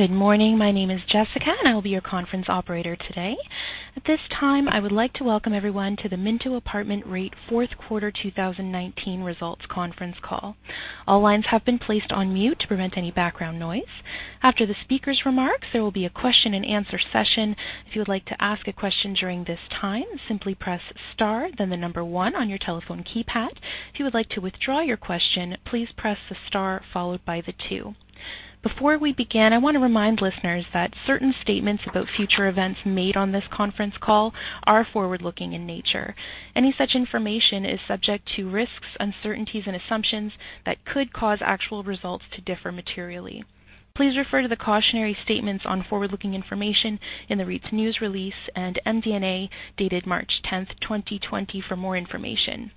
Good morning. My name is Jessica, and I'll be your conference operator today. At this time, I would like to welcome everyone to the Minto Apartment REIT Fourth Quarter 2019 Results Conference Call. All lines have been placed on mute to prevent any background noise. After the speaker's remarks, there will be a question and answer session. If you would like to ask a question during this time, simply press star then the number one on your telephone keypad. If you would like to withdraw your question, please press the star followed by the two. Before we begin, I want to remind listeners that certain statements about future events made on this conference call are forward-looking in nature. Any such information is subject to risks, uncertainties, and assumptions that could cause actual results to differ materially. Please refer to the cautionary statements on forward-looking information in the REIT's news release and MD&A dated March 10th, 2020 for more information.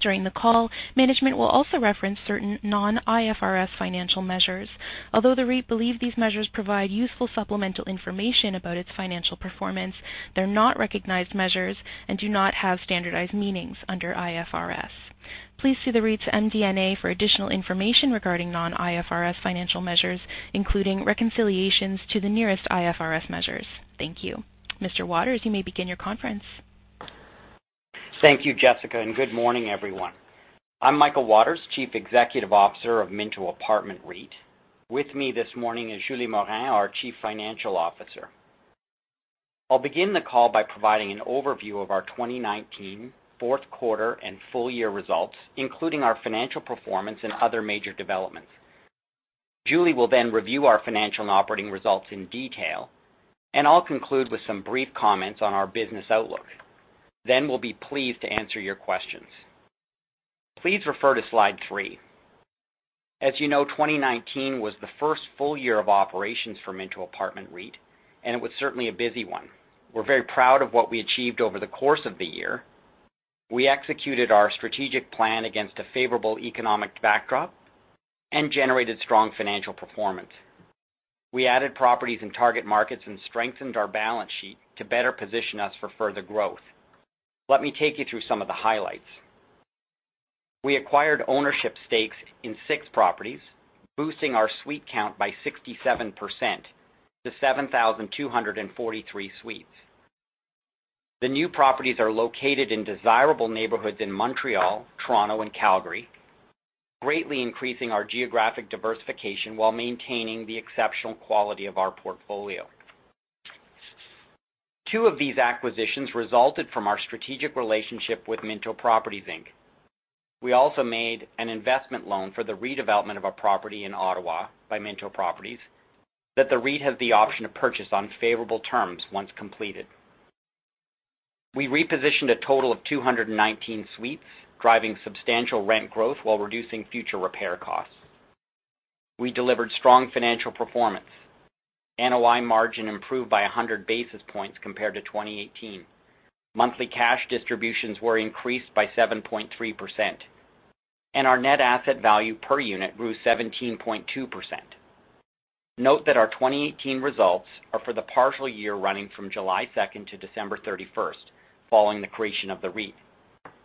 During the call, management will also reference certain non-IFRS financial measures. Although the REIT believe these measures provide useful supplemental information about its financial performance, they're not recognized measures and do not have standardized meanings under IFRS. Please see the REIT's MD&A for additional information regarding non-IFRS financial measures, including reconciliations to the nearest IFRS measures. Thank you. Mr. Waters, you may begin your conference. Thank you, Jessica. Good morning, everyone. I'm Michael Waters, Chief Executive Officer of Minto Apartment REIT. With me this morning is Julie Morin, our Chief Financial Officer. I'll begin the call by providing an overview of our 2019 fourth quarter and full year results, including our financial performance and other major developments. Julie will then review our financial and operating results in detail, and I'll conclude with some brief comments on our business outlook. We'll be pleased to answer your questions. Please refer to slide three. As you know, 2019 was the first full year of operations for Minto Apartment REIT, and it was certainly a busy one. We're very proud of what we achieved over the course of the year. We executed our strategic plan against a favorable economic backdrop and generated strong financial performance. We added properties and target markets and strengthened our balance sheet to better position us for further growth. Let me take you through some of the highlights. We acquired ownership stakes in six properties, boosting our suite count by 67% to 7,243 suites. The new properties are located in desirable neighborhoods in Montreal, Toronto, and Calgary, greatly increasing our geographic diversification while maintaining the exceptional quality of our portfolio. Two of these acquisitions resulted from our strategic relationship with Minto Properties Inc. We also made an investment loan for the redevelopment of a property in Ottawa by Minto Properties that the REIT has the option to purchase on favorable terms once completed. We repositioned a total of 219 suites, driving substantial rent growth while reducing future repair costs. We delivered strong financial performance. NOI margin improved by 100 basis points compared to 2018. Monthly cash distributions were increased by 7.3%. Our net asset value per unit grew 17.2%. Note that our 2018 results are for the partial year running from July 2nd to December 31st, following the creation of the REIT,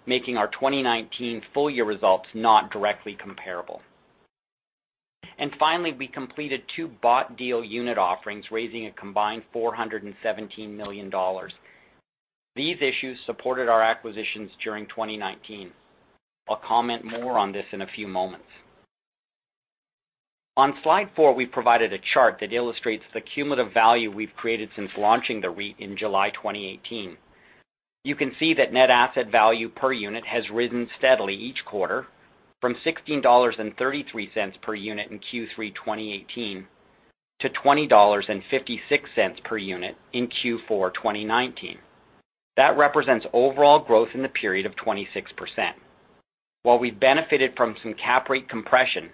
making our 2019 full-year results not directly comparable. Finally, we completed two bought deal unit offerings, raising a combined 417 million dollars. These issues supported our acquisitions during 2019. I'll comment more on this in a few moments. On slide four, we've provided a chart that illustrates the cumulative value we've created since launching the REIT in July 2018. You can see that net asset value per unit has risen steadily each quarter, from 16.33 dollars per unit in Q3 2018 to 20.56 dollars per unit in Q4 2019. That represents overall growth in the period of 26%. While we've benefited from some cap rate compression,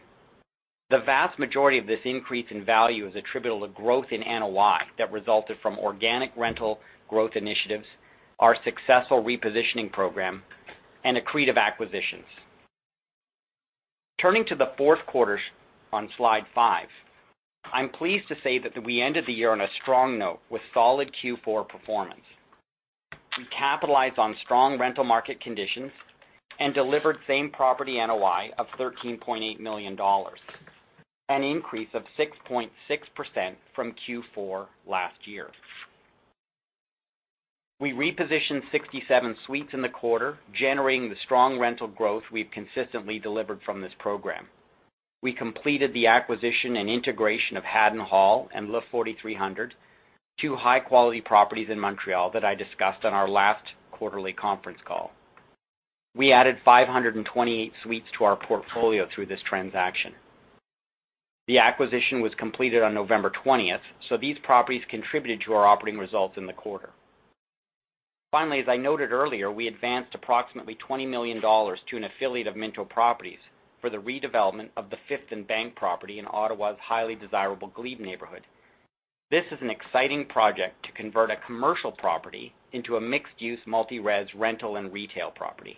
the vast majority of this increase in value is attributable to growth in NOI that resulted from organic rental growth initiatives, our successful repositioning program, and accretive acquisitions. Turning to the fourth quarter on slide five, I'm pleased to say that we ended the year on a strong note with solid Q4 performance. We capitalized on strong rental market conditions and delivered same property NOI of 13.8 million dollars, an increase of 6.6% from Q4 last year. We repositioned 67 suites in the quarter, generating the strong rental growth we've consistently delivered from this program. We completed the acquisition and integration of Haddon Hall and Le 4300, two high-quality properties in Montreal that I discussed on our last quarterly conference call. We added 528 suites to our portfolio through this transaction. The acquisition was completed on November 20th, so these properties contributed to our operating results in the quarter. Finally, as I noted earlier, we advanced approximately 20 million dollars to an affiliate of Minto Properties for the redevelopment of the Fifth and Bank property in Ottawa's highly desirable Glebe neighborhood. This is an exciting project to convert a commercial property into a mixed-use multi-res rental and retail property.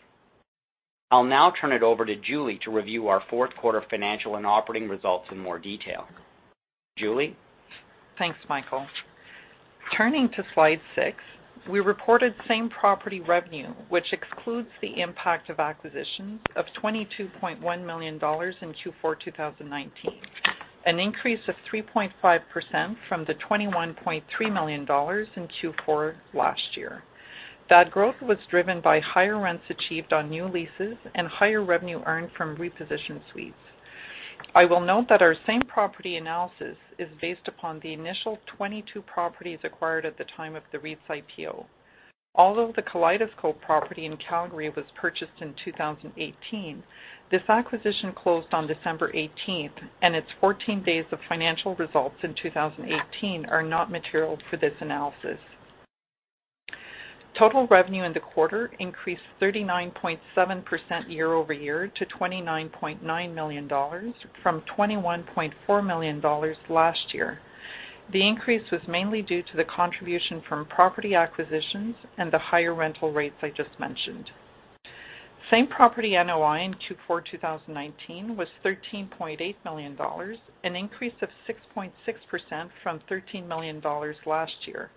I'll now turn it over to Julie to review our fourth quarter financial and operating results in more detail. Julie? Thanks, Michael. Turning to slide six, we reported same-property revenue, which excludes the impact of acquisitions of 22.1 million dollars in Q4 2019, an increase of 3.5% from the 21.3 million dollars in Q4 last year. That growth was driven by higher rents achieved on new leases and higher revenue earned from repositioned suites. I will note that our same-property analysis is based upon the initial 22 properties acquired at the time of the REIT's IPO. Although the Kaleidoscope property in Calgary was purchased in 2018, this acquisition closed on December 18th, and its 14 days of financial results in 2018 are not material for this analysis. Total revenue in the quarter increased 39.7% year-over-year to 29.9 million dollars from 21.4 million dollars last year. The increase was mainly due to the contribution from property acquisitions and the higher rental rates I just mentioned. Same-property NOI in Q4 2019 was 13.8 million dollars, an increase of 6.6% from 13 million dollars last year,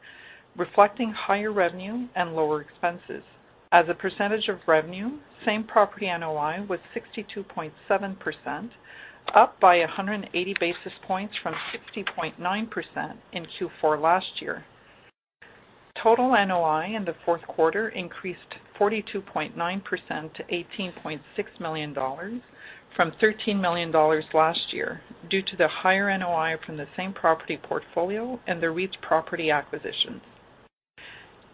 reflecting higher revenue and lower expenses. As a percentage of revenue, same-property NOI was 62.7%, up by 180 basis points from 60.9% in Q4 last year. Total NOI in the fourth quarter increased 42.9% to 18.6 million dollars from 13 million dollars last year due to the higher NOI from the same-property portfolio and the REIT's property acquisitions.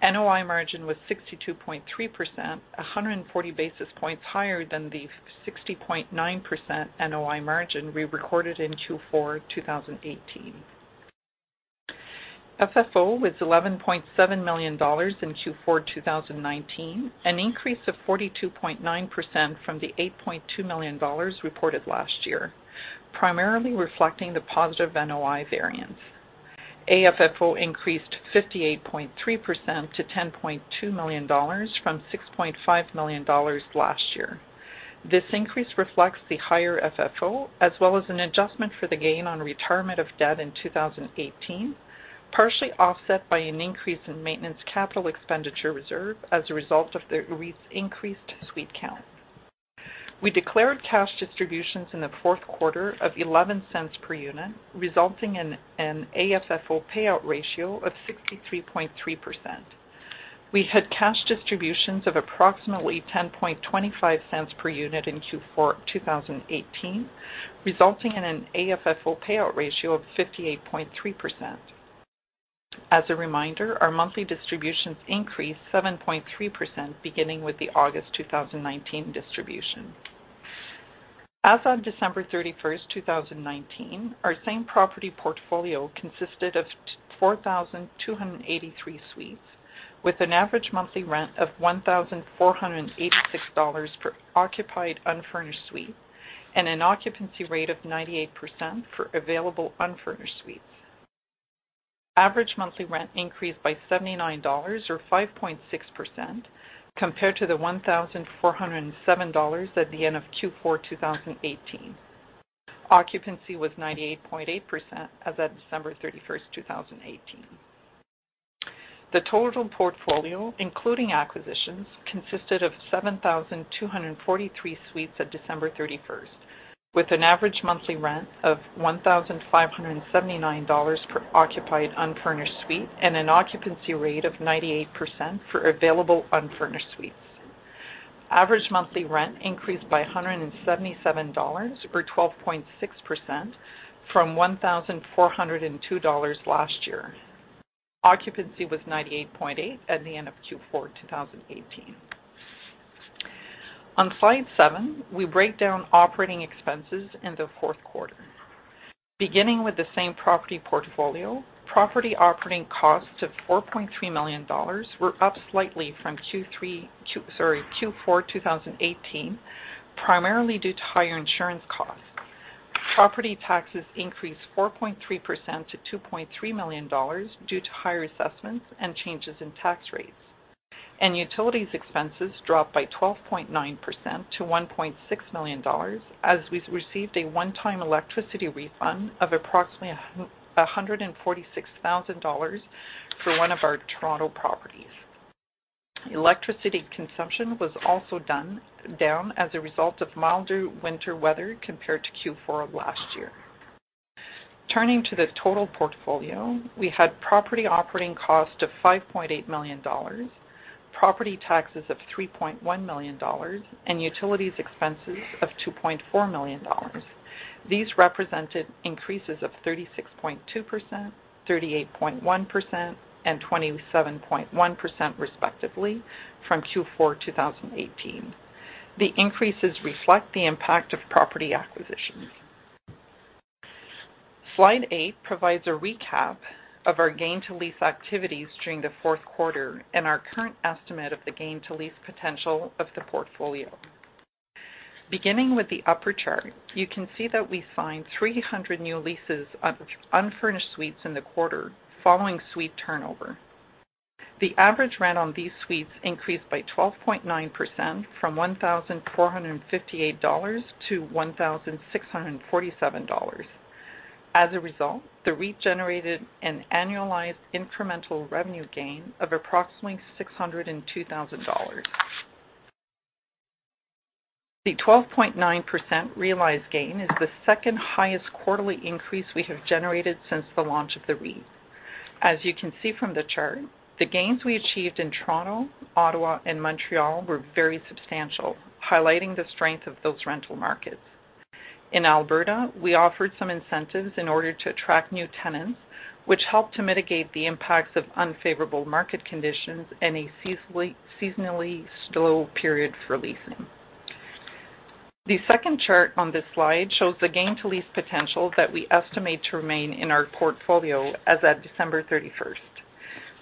NOI margin was 62.3%, 140 basis points higher than the 60.9% NOI margin we recorded in Q4 2018. FFO was 11.7 million dollars in Q4 2019, an increase of 42.9% from the 8.2 million dollars reported last year, primarily reflecting the positive NOI variance. AFFO increased 58.3% to 10.2 million dollars from 6.5 million dollars last year. This increase reflects the higher FFO, as well as an adjustment for the gain on retirement of debt in 2018, partially offset by an increase in maintenance capital expenditure reserve as a result of the REIT's increased suite count. We declared cash distributions in the fourth quarter of 0.11 per unit, resulting in an AFFO payout ratio of 63.3%. We had cash distributions of approximately 0.1025 per unit in Q4 2018, resulting in an AFFO payout ratio of 58.3%. As a reminder, our monthly distributions increased 7.3% beginning with the August 2019 distribution. As on December 31st, 2019, our same-property portfolio consisted of 4,283 suites with an average monthly rent of 1,486 dollars per occupied unfurnished suite, and an occupancy rate of 98% for available unfurnished suites. Average monthly rent increased by 79 dollars, or 5.6%, compared to the 1,407 dollars at the end of Q4 2018. Occupancy was 98.8% as at December 31st, 2018. The total portfolio, including acquisitions, consisted of 7,243 suites at December 31st, with an average monthly rent of 1,579 dollars per occupied unfurnished suite and an occupancy rate of 98% for available unfurnished suites. Average monthly rent increased by 177 dollars, or 12.6%, from 1,402 dollars last year. Occupancy was 98.8% at the end of Q4 2018. On slide seven, we break down operating expenses in the fourth quarter. Beginning with the same-property portfolio, property operating costs of 4.3 million dollars were up slightly from Q4 2018, primarily due to higher insurance costs. Property taxes increased 4.3% to 2.3 million dollars due to higher assessments and changes in tax rates. Utilities expenses dropped by 12.9% to 1.6 million dollars, as we received a one-time electricity refund of approximately 146,000 dollars for one of our Toronto properties. Electricity consumption was also down as a result of milder winter weather compared to Q4 last year. Turning to the total portfolio, we had property operating costs of 5.8 million dollars, property taxes of 3.1 million dollars, and utilities expenses of 2.4 million dollars. These represented increases of 36.2%, 38.1%, and 27.1%, respectively, from Q4 2018. The increases reflect the impact of property acquisitions. Slide eight provides a recap of our gain to lease activities during the fourth quarter and our current estimate of the gain to lease potential of the portfolio. Beginning with the upper chart, you can see that we signed 300 new leases of unfurnished suites in the quarter following suite turnover. The average rent on these suites increased by 12.9%, from 1,458 dollars to 1,647 dollars. As a result, the REIT generated an annualized incremental revenue gain of approximately 602,000 dollars. The 12.9% realized gain is the second highest quarterly increase we have generated since the launch of the REIT. As you can see from the chart, the gains we achieved in Toronto, Ottawa, and Montreal were very substantial, highlighting the strength of those rental markets. In Alberta, we offered some incentives in order to attract new tenants, which helped to mitigate the impacts of unfavorable market conditions and a seasonally slow period for leasing. The second chart on this slide shows the gain-to-lease potential that we estimate to remain in our portfolio as at December 31st.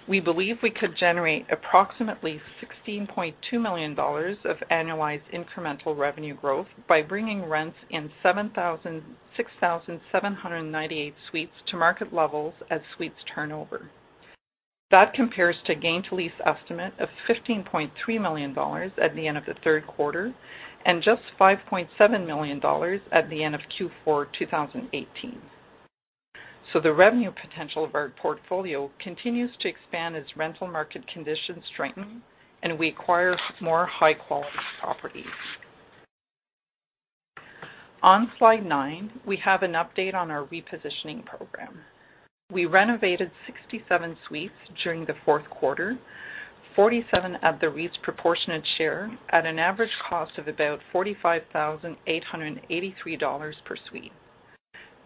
We believe we could generate approximately 16.2 million dollars of annualized incremental revenue growth by bringing rents in 6,798 suites to market levels as suites turnover. That compares to gain-to-lease estimate of 15.3 million dollars at the end of the third quarter, and just 5.7 million dollars at the end of Q4 2018. The revenue potential of our portfolio continues to expand as rental market conditions strengthen, and we acquire more high-quality properties. On slide nine, we have an update on our repositioning program. We renovated 67 suites during the fourth quarter, 47 of the REIT's proportionate share at an average cost of about 45,883 dollars per suite.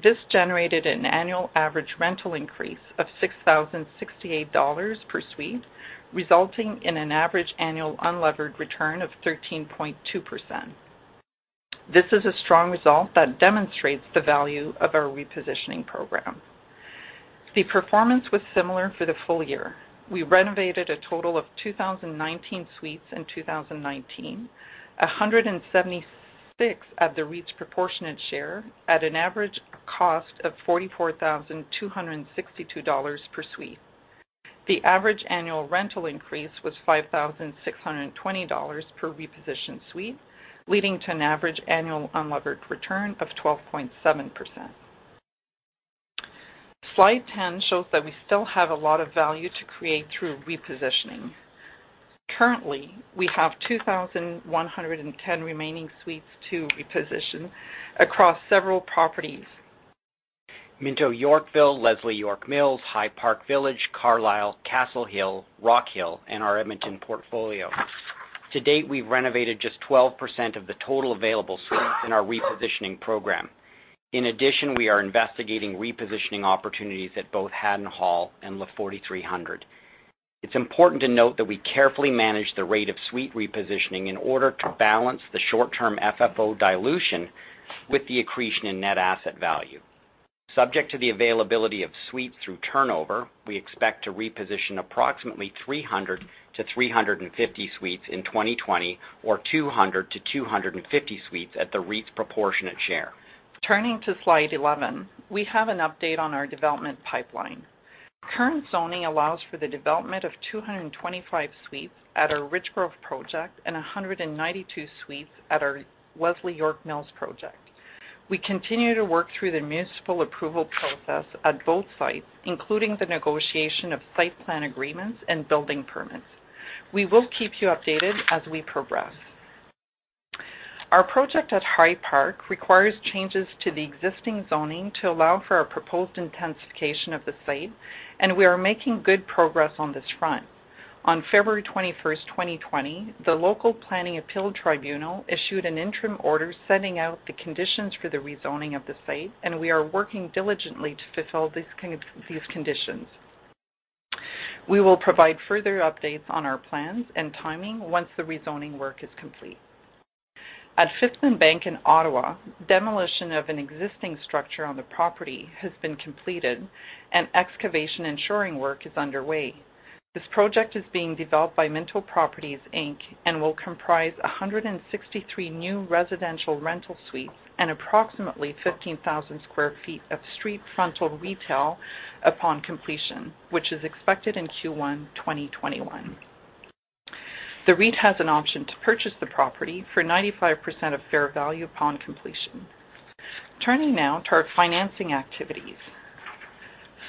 This generated an annual average rental increase of 6,068 dollars per suite, resulting in an average annual unlevered return of 13.2%. This is a strong result that demonstrates the value of our repositioning program. The performance was similar for the full year. We renovated a total of 2,019 suites in 2019, 176 of the REIT's proportionate share, at an average cost of 44,262 dollars per suite. The average annual rental increase was 5,620 dollars per repositioned suite, leading to an average annual unlevered return of 12.7%. Slide 10 shows that we still have a lot of value to create through repositioning. Currently, we have 2,110 remaining suites to reposition across several properties. Minto Yorkville, Leslie York Mills, High Park Village, Carlisle, Castle Hill, Rockhill, and our Edmonton portfolio. To date, we've renovated just 12% of the total available suites in our repositioning program. In addition, we are investigating repositioning opportunities at both Haddon Hall and Le 4300. It's important to note that we carefully manage the rate of suite repositioning in order to balance the short-term FFO dilution with the accretion in net asset value. Subject to the availability of suites through turnover, we expect to reposition approximately 300-350 suites in 2020 or 200-250 suites at the REIT's proportionate share. Turning to slide 11, we have an update on our development pipeline. Current zoning allows for the development of 225 suites at our Richgrove project and 192 suites at our Leslie York Mills project. We continue to work through the municipal approval process at both sites, including the negotiation of site plan agreements and building permits. We will keep you updated as we progress. Our project at High Park requires changes to the existing zoning to allow for our proposed intensification of the site, and we are making good progress on this front. On February 21st, 2020, the Local Planning Appeal Tribunal issued an interim order setting out the conditions for the rezoning of the site, and we are working diligently to fulfill these conditions. We will provide further updates on our plans and timing once the rezoning work is complete. At Fifth + Bank in Ottawa, demolition of an existing structure on the property has been completed, and excavation and shoring work is underway. This project is being developed by Minto Properties Inc. and will comprise 163 new residential rental suites and approximately 15,000 sq ft of street-frontal retail upon completion, which is expected in Q1 2021. The REIT has an option to purchase the property for 95% of fair value upon completion. Turning now to our financing activities.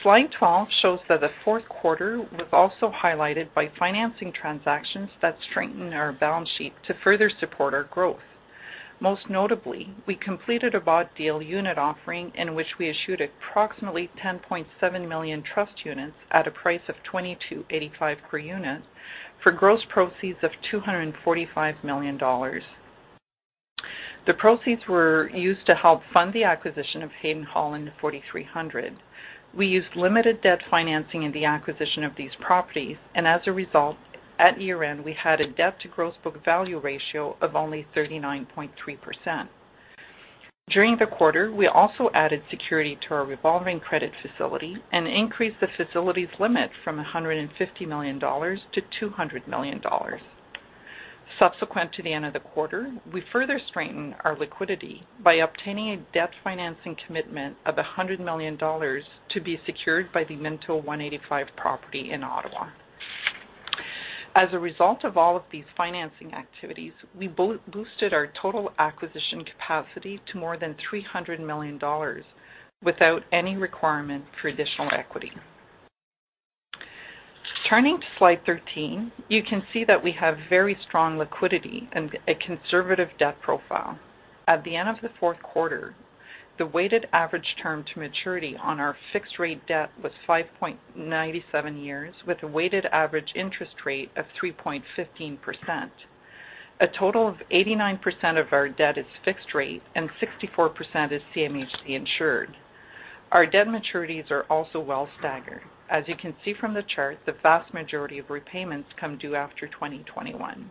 Slide 12 shows that the fourth quarter was also highlighted by financing transactions that strengthen our balance sheet to further support our growth. Most notably, we completed a bought deal unit offering in which we issued approximately 10.7 million trust units at a price of 22.85 per unit for gross proceeds of 245 million dollars. The proceeds were used to help fund the acquisition of Haddon Hall and Le 4300. We used limited debt financing in the acquisition of these properties, and as a result, at year-end, we had a debt-to-gross book value ratio of only 39.3%. During the quarter, we also added security to our revolving credit facility and increased the facility's limit from 150 million dollars to 200 million dollars. Subsequent to the end of the quarter, we further strengthened our liquidity by obtaining a debt financing commitment of 100 million dollars to be secured by the Minto one80five property in Ottawa. As a result of all of these financing activities, we boosted our total acquisition capacity to more than 300 million dollars without any requirement for additional equity. Turning to slide 13, you can see that we have very strong liquidity and a conservative debt profile. At the end of the fourth quarter, the weighted average term to maturity on our fixed-rate debt was 5.97 years with a weighted average interest rate of 3.15%. A total of 89% of our debt is fixed rate and 64% is CMHC insured. Our debt maturities are also well staggered. As you can see from the chart, the vast majority of repayments come due after 2021.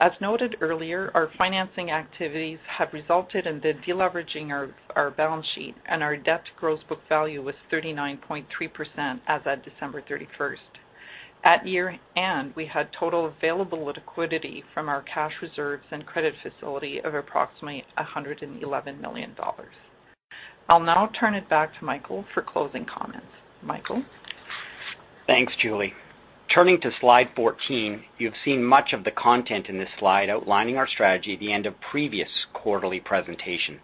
As noted earlier, our financing activities have resulted in the de-leveraging of our balance sheet, and our debt to gross book value was 39.3% as at December 31st. At year-end, we had total available liquidity from our cash reserves and credit facility of approximately 111 million dollars. I'll now turn it back to Michael for closing comments. Michael? Thanks, Julie. Turning to slide 14. You've seen much of the content in this slide outlining our strategy at the end of previous quarterly presentations.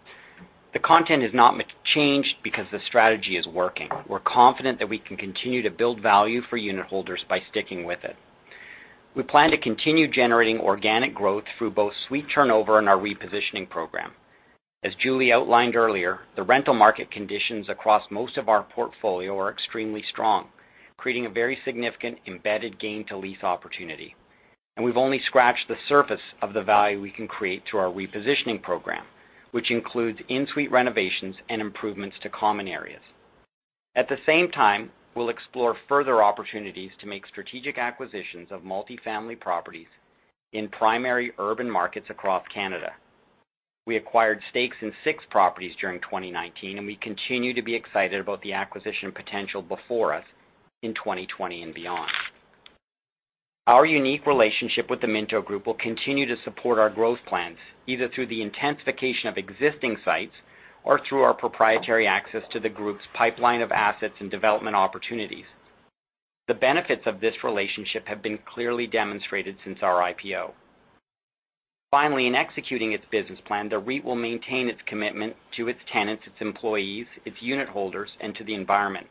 The content has not much changed because the strategy is working. We're confident that we can continue to build value for unitholders by sticking with it. We plan to continue generating organic growth through both suite turnover and our repositioning program. As Julie outlined earlier, the rental market conditions across most of our portfolio are extremely strong, creating a very significant embedded gain-to-lease opportunity. We've only scratched the surface of the value we can create through our repositioning program, which includes in-suite renovations and improvements to common areas. At the same time, we'll explore further opportunities to make strategic acquisitions of multifamily properties in primary urban markets across Canada. We acquired stakes in six properties during 2019, and we continue to be excited about the acquisition potential before us in 2020 and beyond. Our unique relationship with the Minto Group will continue to support our growth plans, either through the intensification of existing sites or through our proprietary access to the group's pipeline of assets and development opportunities. The benefits of this relationship have been clearly demonstrated since our IPO. Finally, in executing its business plan, the REIT will maintain its commitment to its tenants, its employees, its unitholders, and to the environment.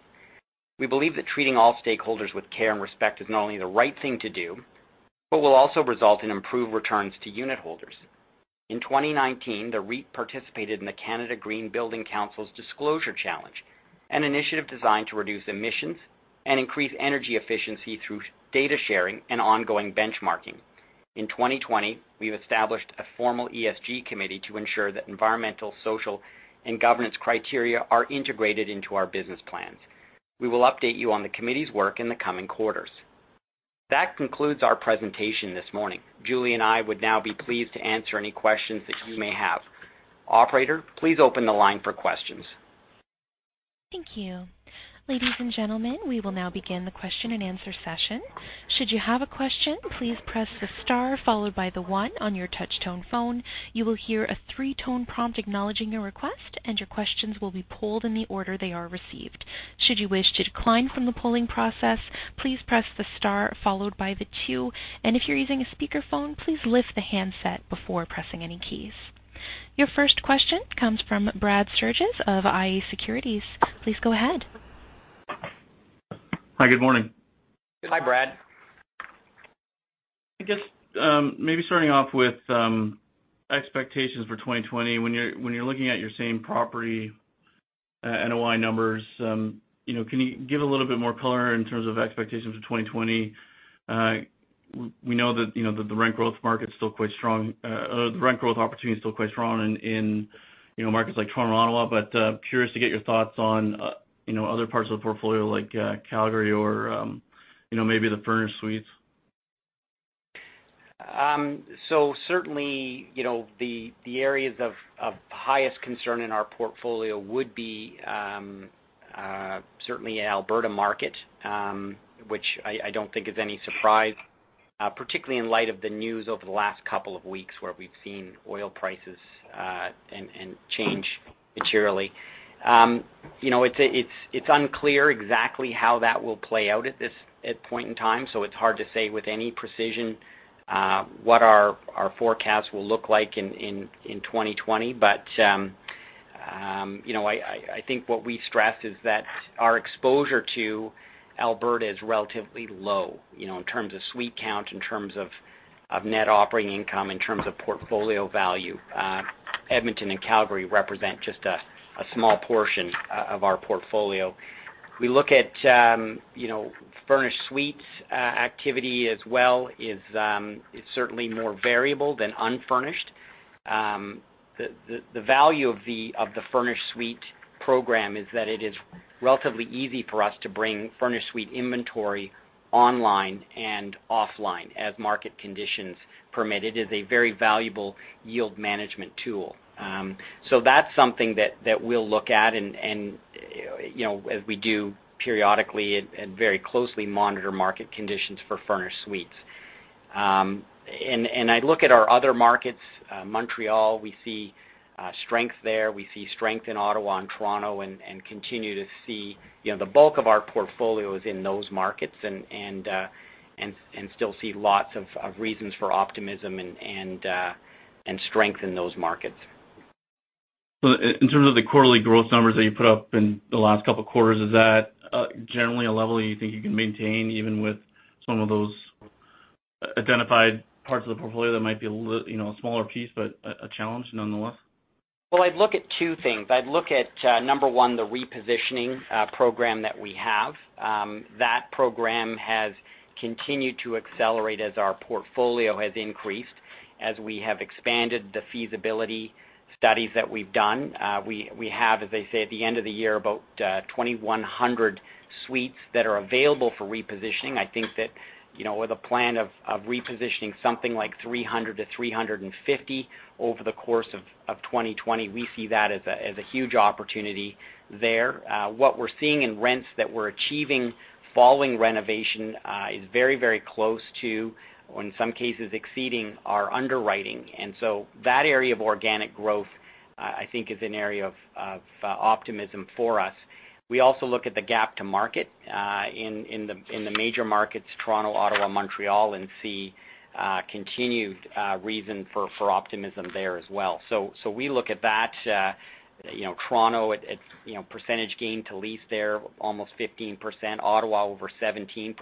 We believe that treating all stakeholders with care and respect is not only the right thing to do, but will also result in improved returns to unitholders. In 2019, the REIT participated in the Canada Green Building Council's Disclosure Challenge, an initiative designed to reduce emissions and increase energy efficiency through data sharing and ongoing benchmarking. In 2020, we've established a formal ESG committee to ensure that environmental, social, and governance criteria are integrated into our business plans. We will update you on the committee's work in the coming quarters. That concludes our presentation this morning. Julie and I would now be pleased to answer any questions that you may have. Operator, please open the line for questions. Thank you. Ladies and gentlemen, we will now begin the question-and-answer session. Should you have a question, please press the star followed by the one on your touch-tone phone. You will hear a three-tone prompt acknowledging your request, and your questions will be polled in the order they are received. Should you wish to decline from the polling process, please press the star followed by the two. If you're using a speakerphone, please lift the handset before pressing any keys. Your first question comes from Brad Sturges of IA Securities. Please go ahead. Hi, good morning. Hi, Brad. I guess, maybe starting off with expectations for 2020. When you're looking at your same property, NOI numbers, can you give a little bit more color in terms of expectations for 2020? We know that the rent growth opportunity is still quite strong in markets like Toronto and Ottawa, but curious to get your thoughts on other parts of the portfolio like Calgary or maybe the furnished suites. Certainly, the areas of highest concern in our portfolio would be certainly Alberta market, which I don't think is any surprise, particularly in light of the news over the last couple of weeks where we've seen oil prices change materially. It's unclear exactly how that will play out at this point in time, so it's hard to say with any precision what our forecast will look like in 2020. I think what we stressed is that our exposure to Alberta is relatively low, in terms of suite count, in terms of net operating income, in terms of portfolio value. Edmonton and Calgary represent just a small portion of our portfolio. We look at furnished suites activity as well is certainly more variable than unfurnished. The value of the furnished suite program is that it is relatively easy for us to bring furnished suite inventory online and offline as market conditions permit. It is a very valuable yield management tool. That's something that we'll look at and as we do periodically and very closely monitor market conditions for furnished suites. I look at our other markets. Montreal, we see strength there. We see strength in Ottawa and Toronto, and continue to see the bulk of our portfolios in those markets and still see lots of reasons for optimism and strength in those markets. In terms of the quarterly growth numbers that you put up in the last couple quarters, is that generally a level you think you can maintain even with some of those identified parts of the portfolio that might be a smaller piece but a challenge nonetheless? I'd look at two things. I'd look at, number one, the repositioning program that we have. That program has continued to accelerate as our portfolio has increased. We have expanded the feasibility studies that we've done. We have, as I say, at the end of the year, about 2,100 suites that are available for repositioning. I think that with a plan of repositioning something like 300-350 over the course of 2020, we see that as a huge opportunity there. What we're seeing in rents that we're achieving following renovation is very close to, or in some cases exceeding, our underwriting. That area of organic growth, I think is an area of optimism for us. We also look at the gap to market in the major markets, Toronto, Ottawa, Montreal, and see continued reason for optimism there as well. We look at that. Toronto, its percentage gain to lease there, almost 15%. Ottawa, over 17%,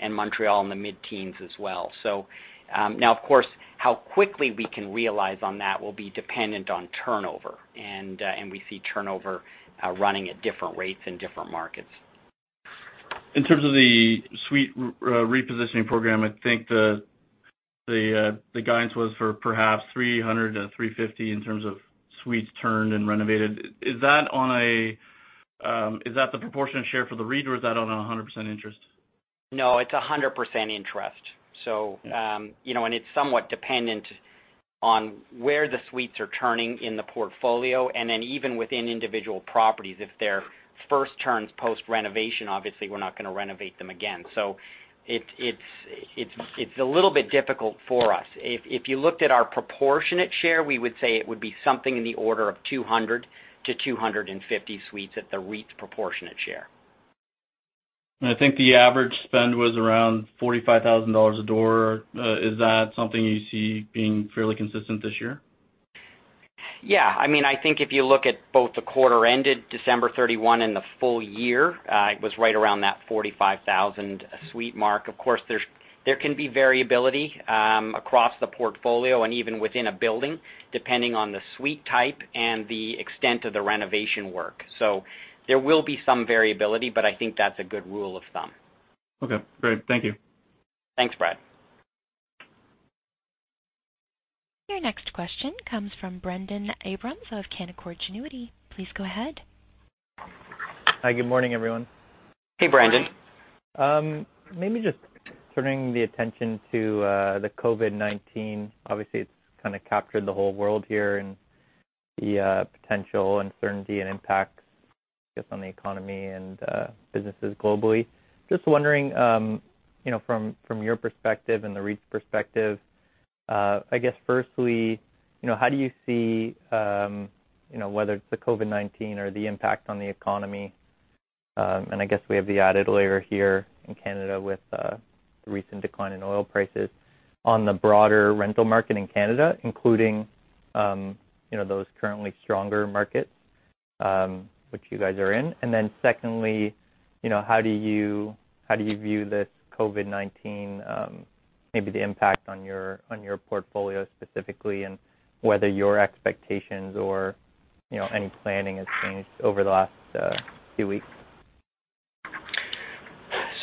and Montreal in the mid-teens as well. Of course, how quickly we can realize on that will be dependent on turnover. We see turnover running at different rates in different markets. In terms of the suite repositioning program, I think the guidance was for perhaps 300-350 in terms of suites turned and renovated. Is that the proportionate share for the REIT, or is that on a 100% interest? No, it's 100% interest. It's somewhat dependent on where the suites are turning in the portfolio. Even within individual properties, if they're first turns post-renovation, obviously, we're not going to renovate them again. It's a little bit difficult for us. If you looked at our proportionate share, we would say it would be something in the order of 200-250 suites at the REIT's proportionate share. I think the average spend was around 45,000 dollars a door. Is that something you see being fairly consistent this year? Yeah. I think if you look at both the quarter ended December 31 and the full year, it was right around that CAD 45,000-a-suite mark. Of course, there can be variability across the portfolio and even within a building, depending on the suite type and the extent of the renovation work. There will be some variability, but I think that's a good rule of thumb. Okay, great. Thank you. Thanks, Brad. Your next question comes from Brendon Abrams of Canaccord Genuity. Please go ahead. Hi. Good morning, everyone. Hey, Brendon. Just turning the attention to the COVID-19. Obviously, it's kind of captured the whole world here, and the potential uncertainty and impact, I guess, on the economy and businesses globally. Just wondering from your perspective and the REIT's perspective, I guess firstly, how do you see whether it's the COVID-19 or the impact on the economy, and I guess we have the added layer here in Canada with the recent decline in oil prices, on the broader rental market in Canada, including those currently stronger markets which you guys are in. Secondly, how do you view this COVID-19, maybe the impact on your portfolio specifically, and whether your expectations or any planning has changed over the last few weeks?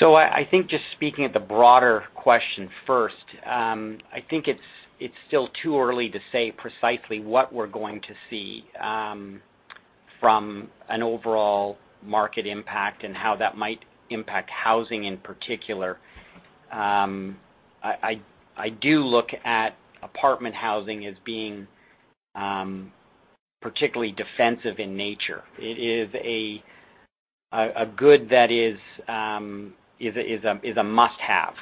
I think just speaking at the broader question first, I think it's still too early to say precisely what we're going to see from an overall market impact and how that might impact housing in particular. I do look at apartment housing as being particularly defensive in nature. It is a good that is a must-have.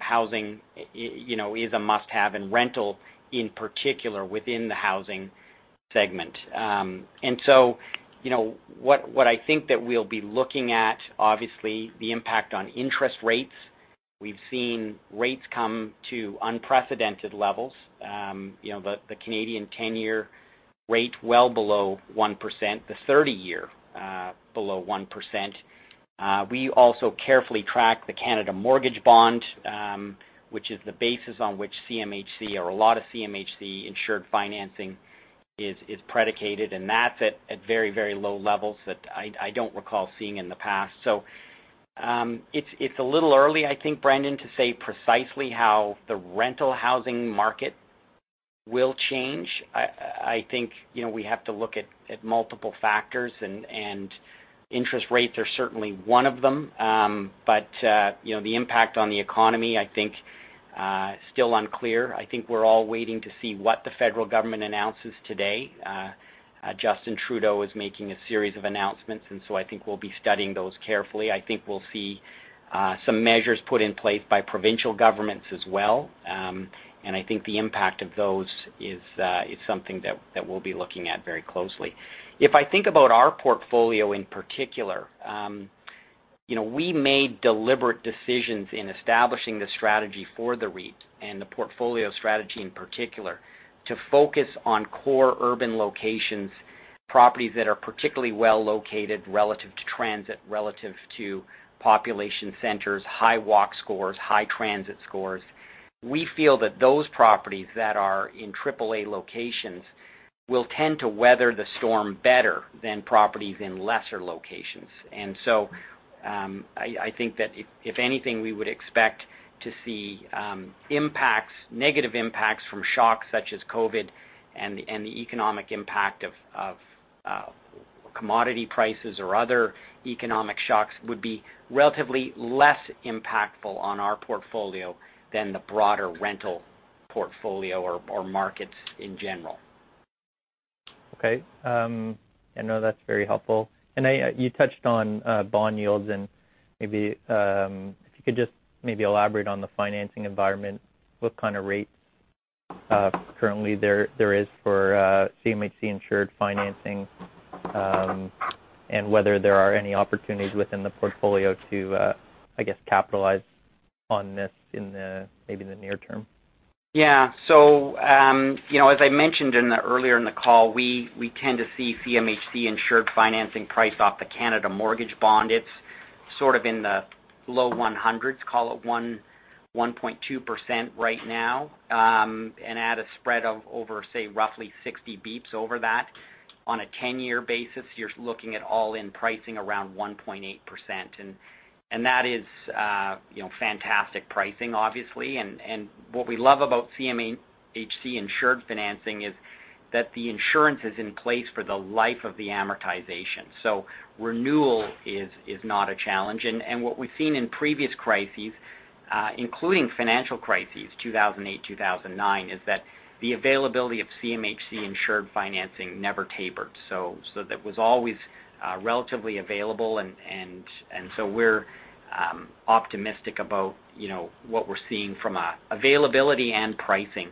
Housing is a must-have, and rental, in particular, within the housing segment. What I think that we'll be looking at, obviously, the impact on interest rates. We've seen rates come to unprecedented levels. The Canadian 10-year rate well below 1%, the 30-year below 1%. We also carefully track the Canada Mortgage Bond, which is the basis on which CMHC or a lot of CMHC-insured financing is predicated. That's at very low levels that I don't recall seeing in the past. It's a little early, I think, Brendon, to say precisely how the rental housing market will change. I think we have to look at multiple factors, and interest rates are certainly one of them. The impact on the economy, still unclear. I think we're all waiting to see what the federal government announces today. Justin Trudeau is making a series of announcements, and so I think we'll be studying those carefully. I think we'll see some measures put in place by provincial governments as well. I think the impact of those is something that we'll be looking at very closely. If I think about our portfolio in particular, we made deliberate decisions in establishing the strategy for the REIT and the portfolio strategy in particular, to focus on core urban locations, properties that are particularly well-located relative to transit, relative to population centers, high walk scores, high transit scores. We feel that those properties that are in AAA locations will tend to weather the storm better than properties in lesser locations. I think that if anything, we would expect to see negative impacts from shocks such as COVID and the economic impact of commodity prices or other economic shocks would be relatively less impactful on our portfolio than the broader rental portfolio or markets in general. Okay. No, that's very helpful. You touched on bond yields, and maybe if you could just maybe elaborate on the financing environment, what kind of rates currently there is for CMHC-insured financing, and whether there are any opportunities within the portfolio to, I guess, capitalize on this in maybe the near term. As I mentioned earlier in the call, we tend to see CMHC-insured financing priced off the Canada Mortgage Bond. It's sort of in the low 100s, call it 1.2% right now. At a spread of over, say, roughly 60 basis points over that. On a 10-year basis, you're looking at all-in pricing around 1.8%. That is fantastic pricing, obviously. What we love about CMHC-insured financing is that the insurance is in place for the life of the amortization. Renewal is not a challenge. What we've seen in previous crises, including financial crises, 2008, 2009, is that the availability of CMHC-insured financing never tapered. That was always relatively available, and so we're optimistic about what we're seeing from availability and pricing.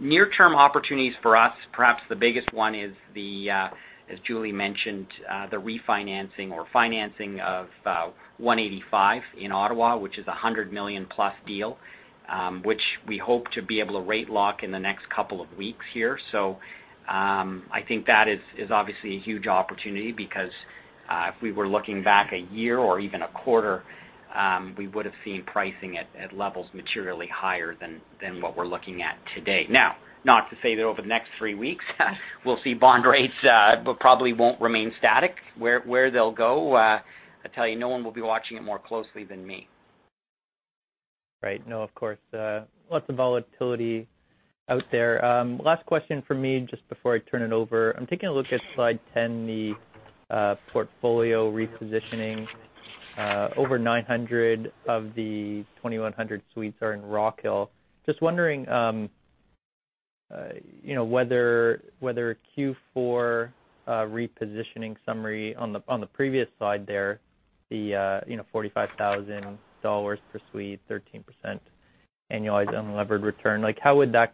Near-term opportunities for us, perhaps the biggest one is the, as Julie mentioned, the refinancing or financing of 185 in Ottawa, which is a CAD 100+million deal, which we hope to be able to rate lock in the next couple of weeks here. I think that is obviously a huge opportunity because, if we were looking back a year or even a quarter, we would've seen pricing at levels materially higher than what we're looking at today. Now, not to say that over the next three weeks we'll see bond rates, but probably won't remain static. Where they'll go, I tell you, no one will be watching it more closely than me. Right. No, of course. Lots of volatility out there. Last question from me just before I turn it over. I'm taking a look at slide 10, the portfolio repositioning. Over 900 of the 2,100 suites are in Rockhill. Just wondering whether Q4 repositioning summary on the previous slide there, the 45,000 dollars per suite, 13% annualized unlevered return, how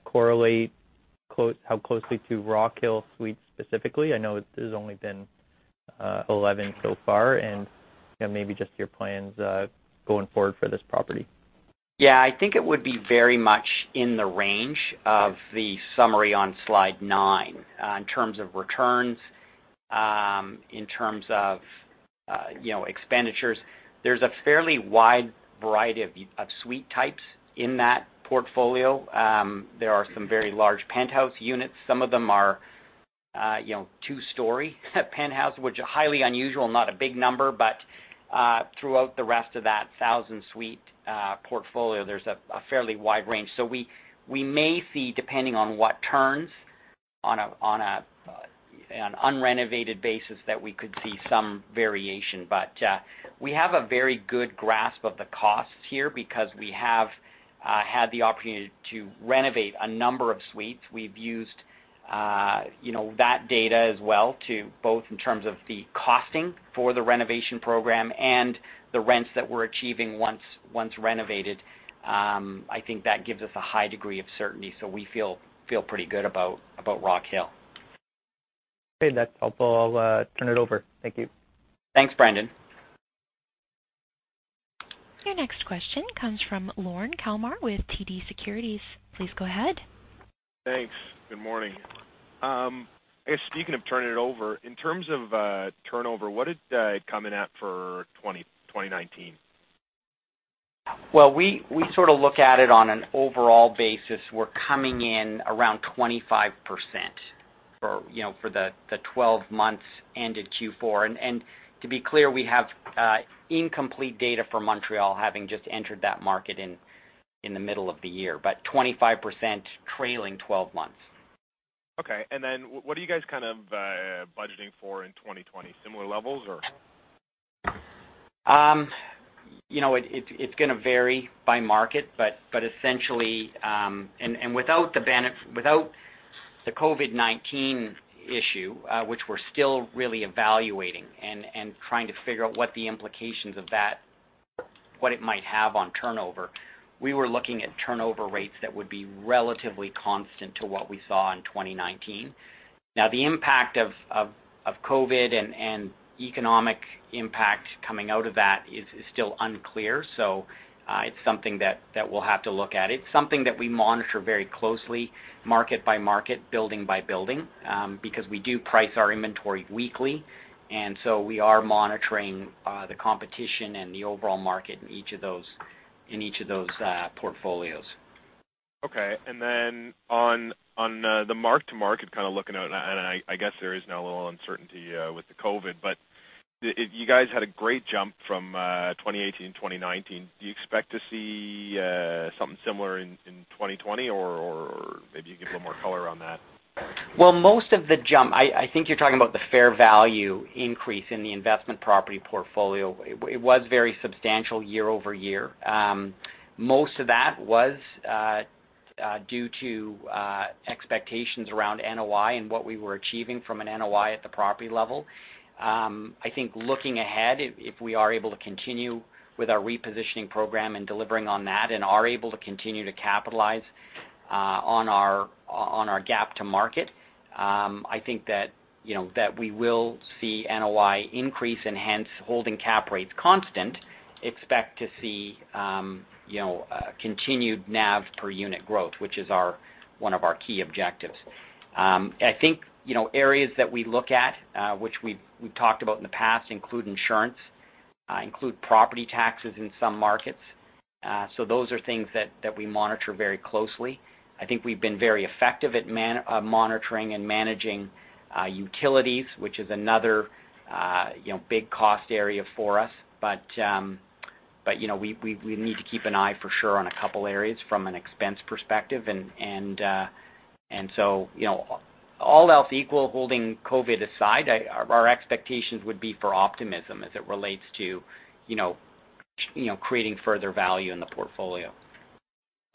closely to Rockhill Suites specifically? I know there's only been 11 so far, and maybe just your plans going forward for this property. Yeah, I think it would be very much in the range of the summary on Slide nine in terms of returns, in terms of expenditures. There is a fairly wide variety of suite types in that portfolio. There are some very large penthouse units. Some of them are two-story penthouse, which are highly unusual, not a big number, but throughout the rest of that 1,000-suite portfolio, there is a fairly wide range. We may see, depending on what turns on an unrenovated basis, that we could see some variation. We have a very good grasp of the costs here because we have had the opportunity to renovate a number of suites. We have used that data as well both in terms of the costing for the renovation program and the rents that we are achieving once renovated. I think that gives us a high degree of certainty. We feel pretty good about Rockhill. Okay. That's helpful. I'll turn it over. Thank you. Thanks, Brendon. Your next question comes from Lorne Kalmar with TD Securities. Please go ahead. Thanks. Good morning. I guess speaking of turning it over, in terms of turnover, what did it come in at for 2019? Well, we sort of look at it on an overall basis. We're coming in around 25% for the 12 months ended Q4. To be clear, we have incomplete data for Montreal, having just entered that market in the middle of the year. 25% trailing 12 months. Okay. Then what are you guys budgeting for in 2020? Similar levels, or? It's going to vary by market, but essentially, and without the COVID-19 issue, which we're still really evaluating and trying to figure out what the implications of that, what it might have on turnover, we were looking at turnover rates that would be relatively constant to what we saw in 2019. The impact of COVID and economic impact coming out of that is still unclear. It's something that we'll have to look at. It's something that we monitor very closely market by market, building by building, because we do price our inventory weekly. We are monitoring the competition and the overall market in each of those portfolios. Okay. On the mark-to-market kind of looking out, I guess there is now a little uncertainty with the COVID, but you guys had a great jump from 2018 to 2019. Do you expect to see something similar in 2020? Maybe you could give a little more color on that? Well, most of the jump, I think you're talking about the fair value increase in the investment property portfolio. It was very substantial year-over-year. Most of that was due to expectations around NOI and what we were achieving from an NOI at the property level. I think looking ahead, if we are able to continue with our repositioning program and delivering on that and are able to continue to capitalize on our gap to market, I think that we will see NOI increase and hence holding cap rates constant expect to see continued NAV per unit growth, which is one of our key objectives. I think areas that we look at which we've talked about in the past include insurance, include property taxes in some markets. Those are things that we monitor very closely. I think we've been very effective at monitoring and managing utilities, which is another big cost area for us. We need to keep an eye for sure on a couple areas from an expense perspective. All else equal, holding COVID aside, our expectations would be for optimism as it relates to creating further value in the portfolio.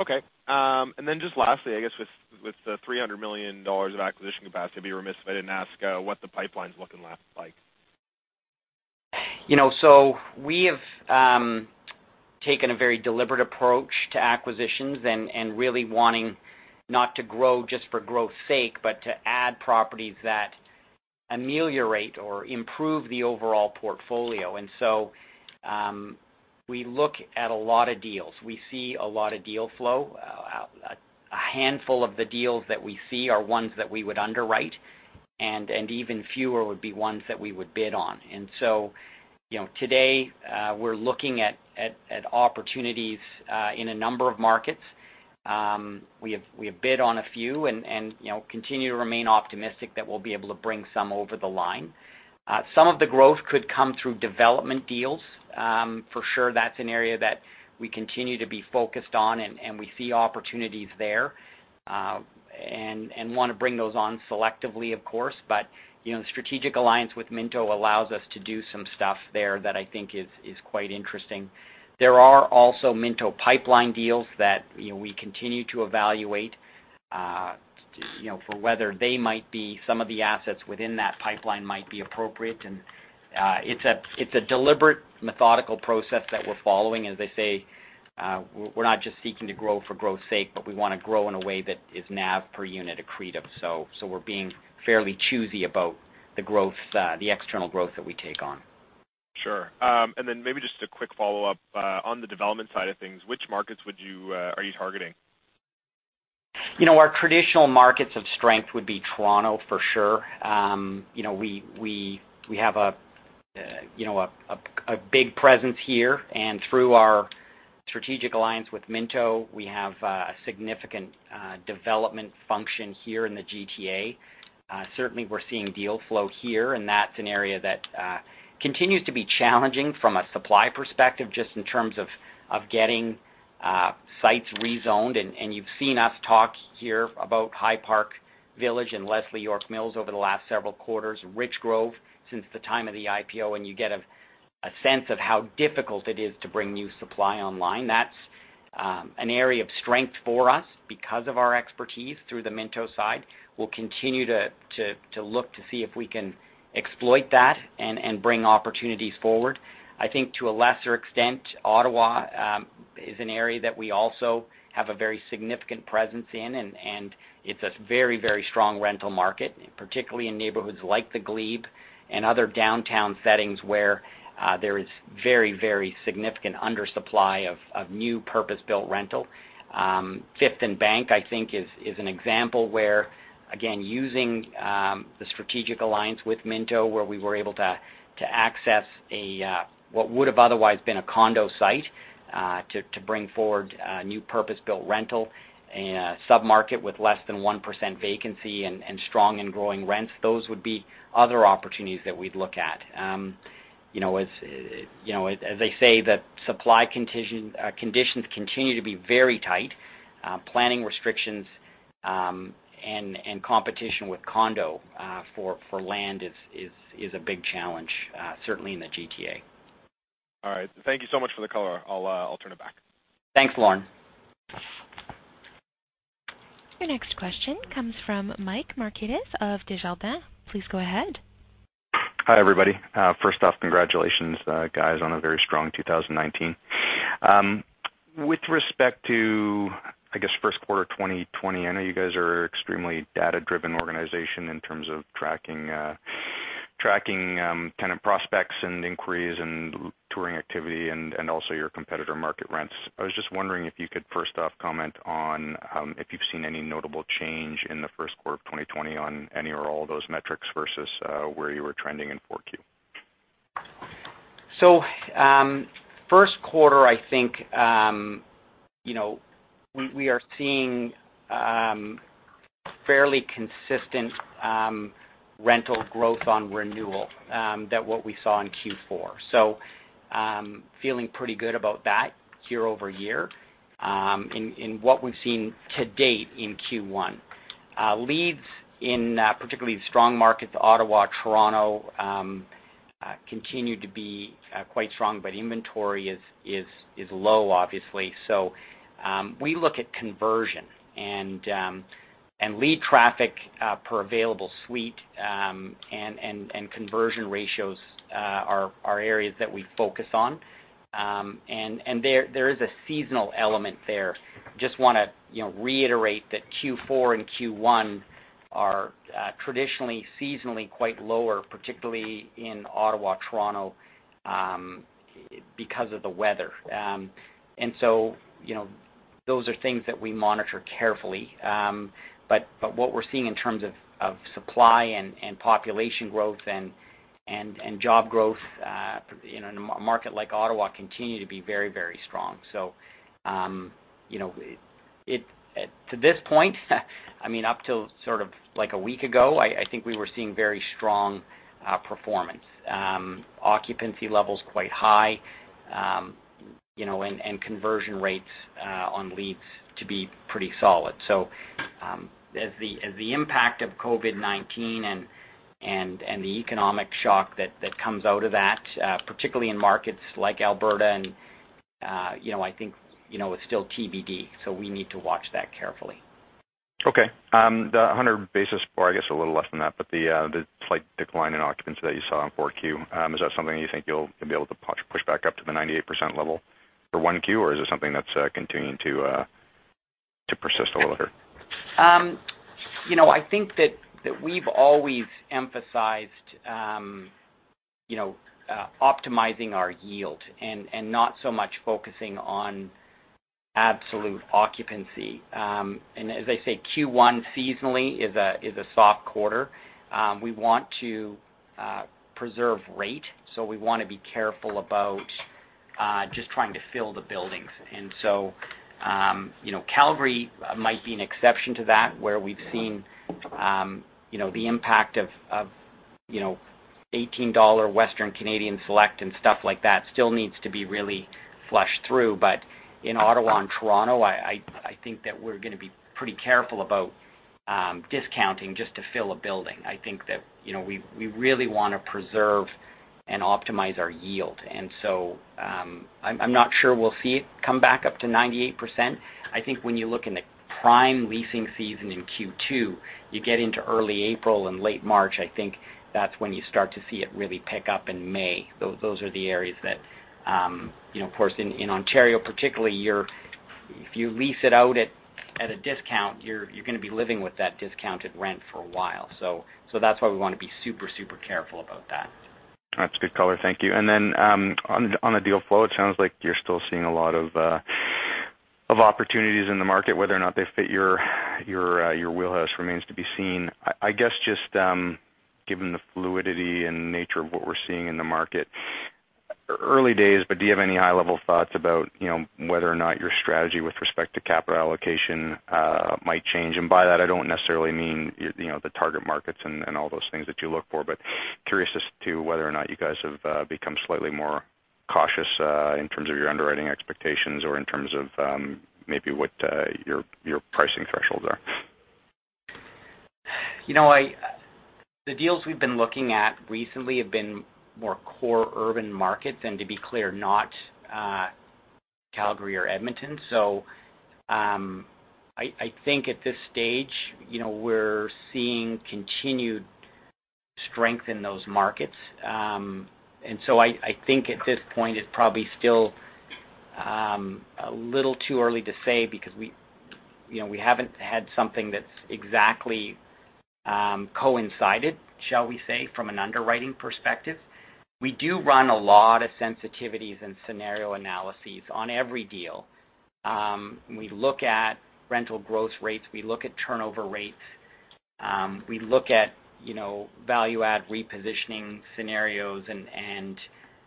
Okay. Then just lastly, I guess with the 300 million dollars of acquisition capacity, I'd be remiss if I didn't ask what the pipeline's looking like. We have taken a very deliberate approach to acquisitions and really wanting not to grow just for growth's sake, but to add properties that ameliorate or improve the overall portfolio. We look at a lot of deals. We see a lot of deal flow. A handful of the deals that we see are ones that we would underwrite and even fewer would be ones that we would bid on. Today, we're looking at opportunities in a number of markets. We have bid on a few and continue to remain optimistic that we'll be able to bring some over the line. Some of the growth could come through development deals. For sure, that's an area that we continue to be focused on, and we see opportunities there, and want to bring those on selectively, of course. The strategic alliance with Minto allows us to do some stuff there that I think is quite interesting. There are also Minto pipeline deals that we continue to evaluate, for whether they might be some of the assets within that pipeline might be appropriate. It's a deliberate, methodical process that we're following. As I say, we're not just seeking to grow for growth's sake, but we want to grow in a way that is NAV per unit accretive. We're being fairly choosy about the external growth that we take on. Sure. Maybe just a quick follow-up, on the development side of things, which markets are you targeting? Our traditional markets of strength would be Toronto for sure. We have a big presence here and through our strategic alliance with Minto, we have a significant development function here in the GTA. Certainly, we're seeing deal flow here, and that's an area that continues to be challenging from a supply perspective, just in terms of getting sites rezoned. You've seen us talk here about High Park Village and Leslie York Mills over the last several quarters, Richgrove since the time of the IPO, and you get a sense of how difficult it is to bring new supply online. That's an area of strength for us because of our expertise through the Minto side. We'll continue to look to see if we can exploit that and bring opportunities forward. I think to a lesser extent, Ottawa is an area that we also have a very significant presence in, and it's a very strong rental market, particularly in neighborhoods like The Glebe and other downtown settings where there is very significant undersupply of new purpose-built rental. Fifth + Bank, I think is an example where, again, using the strategic alliance with Minto, where we were able to access what would have otherwise been a condo site to bring forward a new purpose-built rental sub-market with less than 1% vacancy and strong and growing rents. Those would be other opportunities that we'd look at. As they say, the supply conditions continue to be very tight. Planning restrictions and competition with condo for land is a big challenge, certainly in the GTA. All right. Thank you so much for the color. I'll turn it back. Thanks, Lorne. Your next question comes from Mike Markidis of Desjardins. Please go ahead. Hi, everybody. First off, congratulations guys on a very strong 2019. With respect to, I guess, first quarter 2020, I know you guys are extremely data-driven organization in terms of tracking tenant prospects and inquiries and touring activity and also your competitor market rents. I was just wondering if you could first off comment on if you've seen any notable change in the first quarter of 2020 on any or all of those metrics versus where you were trending in Q4. First quarter, I think, we are seeing fairly consistent rental growth on renewal than what we saw in Q4. Feeling pretty good about that year-over-year in what we've seen to date in Q1. Leads in particularly strong markets, Ottawa, Toronto, continue to be quite strong, but inventory is low obviously. We look at conversion and lead traffic per available suite and conversion ratios are areas that we focus on. There is a seasonal element there. Just want to reiterate that Q4 and Q1 are traditionally seasonally quite lower, particularly in Ottawa, Toronto because of the weather. Those are things that we monitor carefully. What we're seeing in terms of supply and population growth and job growth in a market like Ottawa continue to be very strong. To this point, up till sort of like a week ago, I think we were seeing very strong performance. Occupancy levels quite high and conversion rates on leads to be pretty solid. As the impact of COVID-19 and the economic shock that comes out of that, particularly in markets like Alberta and I think it's still TBD, so we need to watch that carefully. Okay. The 100 basis or I guess a little less than that, but the slight decline in occupancy that you saw in Q4, is that something you think you'll be able to push back up to the 98% level for 1Q or is it something that's continuing to persist a little bit? I think that we've always emphasized optimizing our yield and not so much focusing on absolute occupancy. As I say, Q1 seasonally is a soft quarter. We want to preserve rate, so we want to be careful about just trying to fill the buildings. Calgary might be an exception to that, where we've seen the impact of 18 dollar Western Canadian Select and stuff like that still needs to be really flushed through. In Ottawa and Toronto, I think that we're going to be pretty careful about discounting just to fill a building. I think that we really want to preserve and optimize our yield. I'm not sure we'll see it come back up to 98%. I think when you look in the prime leasing season in Q2, you get into early April and late March, I think that's when you start to see it really pick up in May. Those are the areas that, of course, in Ontario particularly, if you lease it out at a discount, you're going to be living with that discounted rent for a while. That's why we want to be super careful about that. That's a good color. Thank you. Then on the deal flow, it sounds like you're still seeing a lot of opportunities in the market. Whether or not they fit your wheelhouse remains to be seen. I guess just given the fluidity and nature of what we're seeing in the market, early days, but do you have any high-level thoughts about whether or not your strategy with respect to capital allocation might change? By that, I don't necessarily mean the target markets and all those things that you look for, but curious as to whether or not you guys have become slightly more cautious in terms of your underwriting expectations or in terms of maybe what your pricing thresholds are. The deals we've been looking at recently have been more core urban markets and to be clear, not Calgary or Edmonton. I think at this stage we're seeing continued strength in those markets. I think at this point it's probably still a little too early to say because we haven't had something that's exactly coincided, shall we say, from an underwriting perspective. We do run a lot of sensitivities and scenario analyses on every deal. We look at rental growth rates, we look at turnover rates. We look at value add repositioning scenarios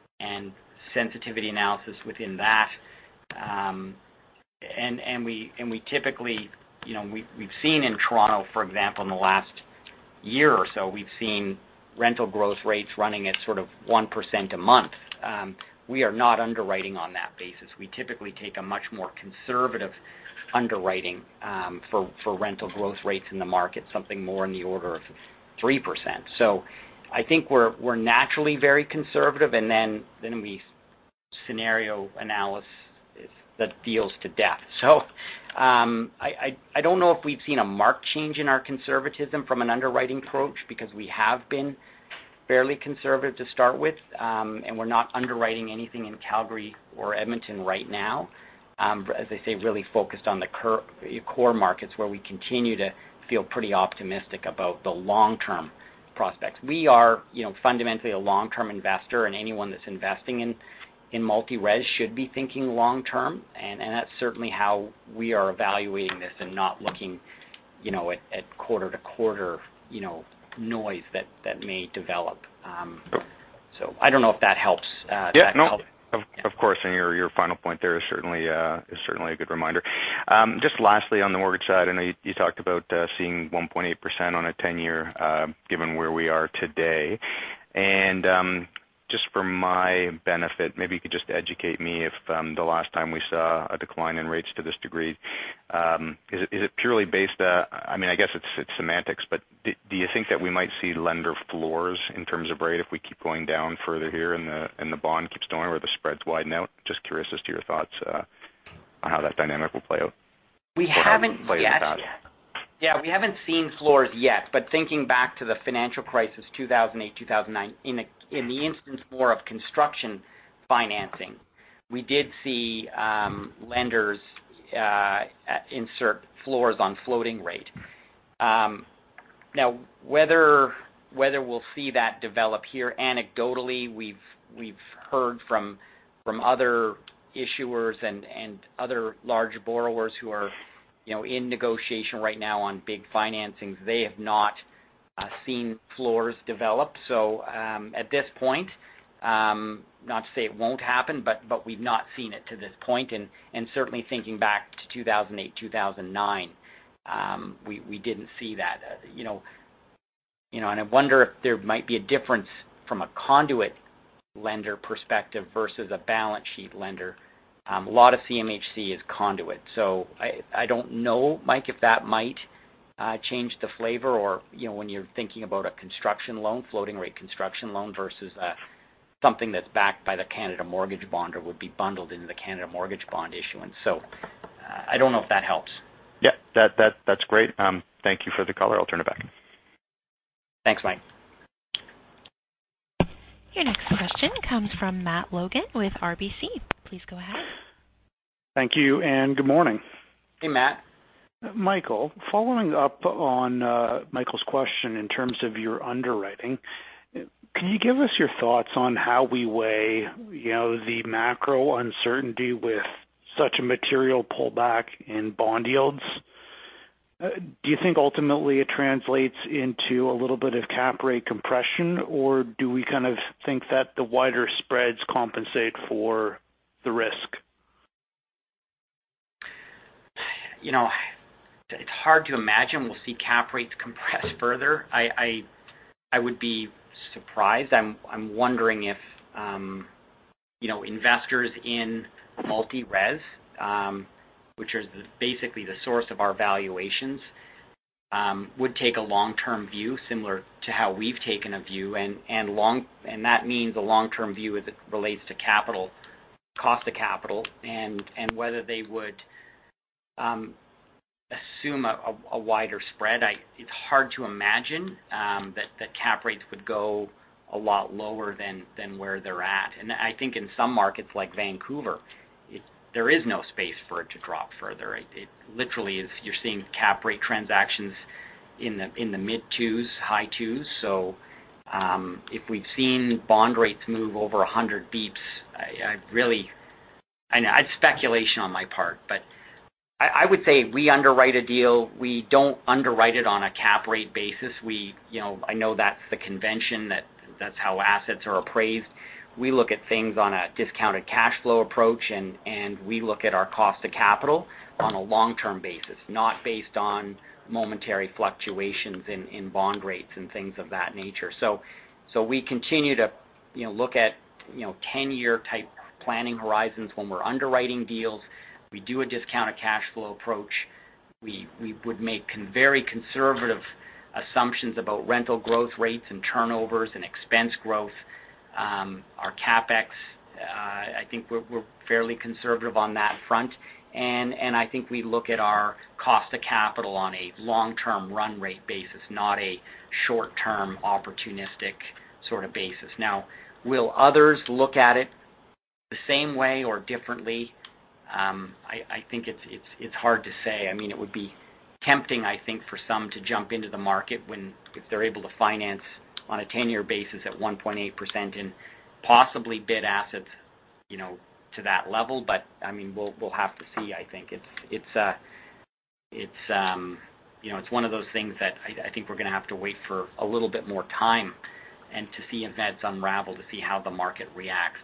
and sensitivity analysis within that. We've seen in Toronto, for example, in the last year or so, we've seen rental growth rates running at sort of 1% a month. We are not underwriting on that basis. We typically take a much more conservative underwriting for rental growth rates in the market, something more in the order of 3%. I think we're naturally very conservative, and then we scenario analysis that deals to death. I don't know if we've seen a marked change in our conservatism from an underwriting approach because we have been fairly conservative to start with. We're not underwriting anything in Calgary or Edmonton right now. As I say, really focused on the core markets where we continue to feel pretty optimistic about the long-term prospects. We are fundamentally a long-term investor, and anyone that's investing in multi-res should be thinking long term, and that's certainly how we are evaluating this and not looking at quarter-to-quarter noise that may develop. I don't know if that helps. Yeah, no. Of course. Your final point there is certainly a good reminder. Just lastly, on the mortgage side, I know you talked about seeing 1.8% on a 10-year given where we are today. Just for my benefit, maybe you could just educate me if the last time we saw a decline in rates to this degree. I guess it's semantics, but do you think that we might see lender floors in terms of rate if we keep going down further here and the bond keeps going where the spreads widen out? Just curious as to your thoughts on how that dynamic will play out. We haven't yet. How it has played out in the past. We haven't seen floors yet, thinking back to the financial crisis 2008, 2009, in the instance more of construction financing, we did see lenders insert floors on floating rate. Whether we'll see that develop here, anecdotally, we've heard from other issuers and other large borrowers who are in negotiation right now on big financings. They have not seen floors develop. At this point, not to say it won't happen, but we've not seen it to this point. Certainly, thinking back to 2008, 2009, we didn't see that. I wonder if there might be a difference from a conduit lender perspective versus a balance sheet lender. A lot of CMHC is conduit. I don't know, Mike, if that might change the flavor or when you're thinking about a construction loan, floating rate construction loan versus something that's backed by the Canada Mortgage Bond or would be bundled into the Canada Mortgage Bond issuance. I don't know if that helps. Yeah. That's great. Thank you for the color. I'll turn it back. Thanks, Mike. Your next question comes from Matt Logan with RBC. Please go ahead. Thank you, and good morning. Hey, Matt. Michael, following up on Michael's question in terms of your underwriting, can you give us your thoughts on how we weigh the macro uncertainty with such a material pullback in bond yields? Do you think ultimately it translates into a little bit of cap rate compression, or do we kind of think that the wider spreads compensate for the risk? It's hard to imagine we'll see cap rates compress further. I would be surprised. I'm wondering if investors in multi-res, which is basically the source of our valuations, would take a long-term view similar to how we've taken a view. That means a long-term view as it relates to capital, cost of capital, and whether they would assume a wider spread. It's hard to imagine that cap rates would go a lot lower than where they're at. I think in some markets like Vancouver, there is no space for it to drop further. Literally, you're seeing cap rate transactions in the mid twos, high twos. If we've seen bond rates move over 100 basis points, it's speculation on my part. I would say we underwrite a deal. We don't underwrite it on a cap rate basis. I know that's the convention, that's how assets are appraised. We look at things on a discounted cash flow approach, and we look at our cost of capital on a long-term basis, not based on momentary fluctuations in bond rates and things of that nature. We continue to look at 10-year type planning horizons when we're underwriting deals. We do a discounted cash flow approach. We would make very conservative assumptions about rental growth rates and turnovers and expense growth. Our CapEx, I think we're fairly conservative on that front. I think we look at our cost of capital on a long-term run rate basis, not a short-term opportunistic sort of basis. Now, will others look at it the same way or differently? I think it's hard to say. It would be tempting, I think, for some to jump into the market if they're able to finance on a 10-year basis at 1.8% and possibly bid assets to that level. We'll have to see, I think. It's one of those things that I think we're going to have to wait for a little bit more time and to see events unravel, to see how the market reacts.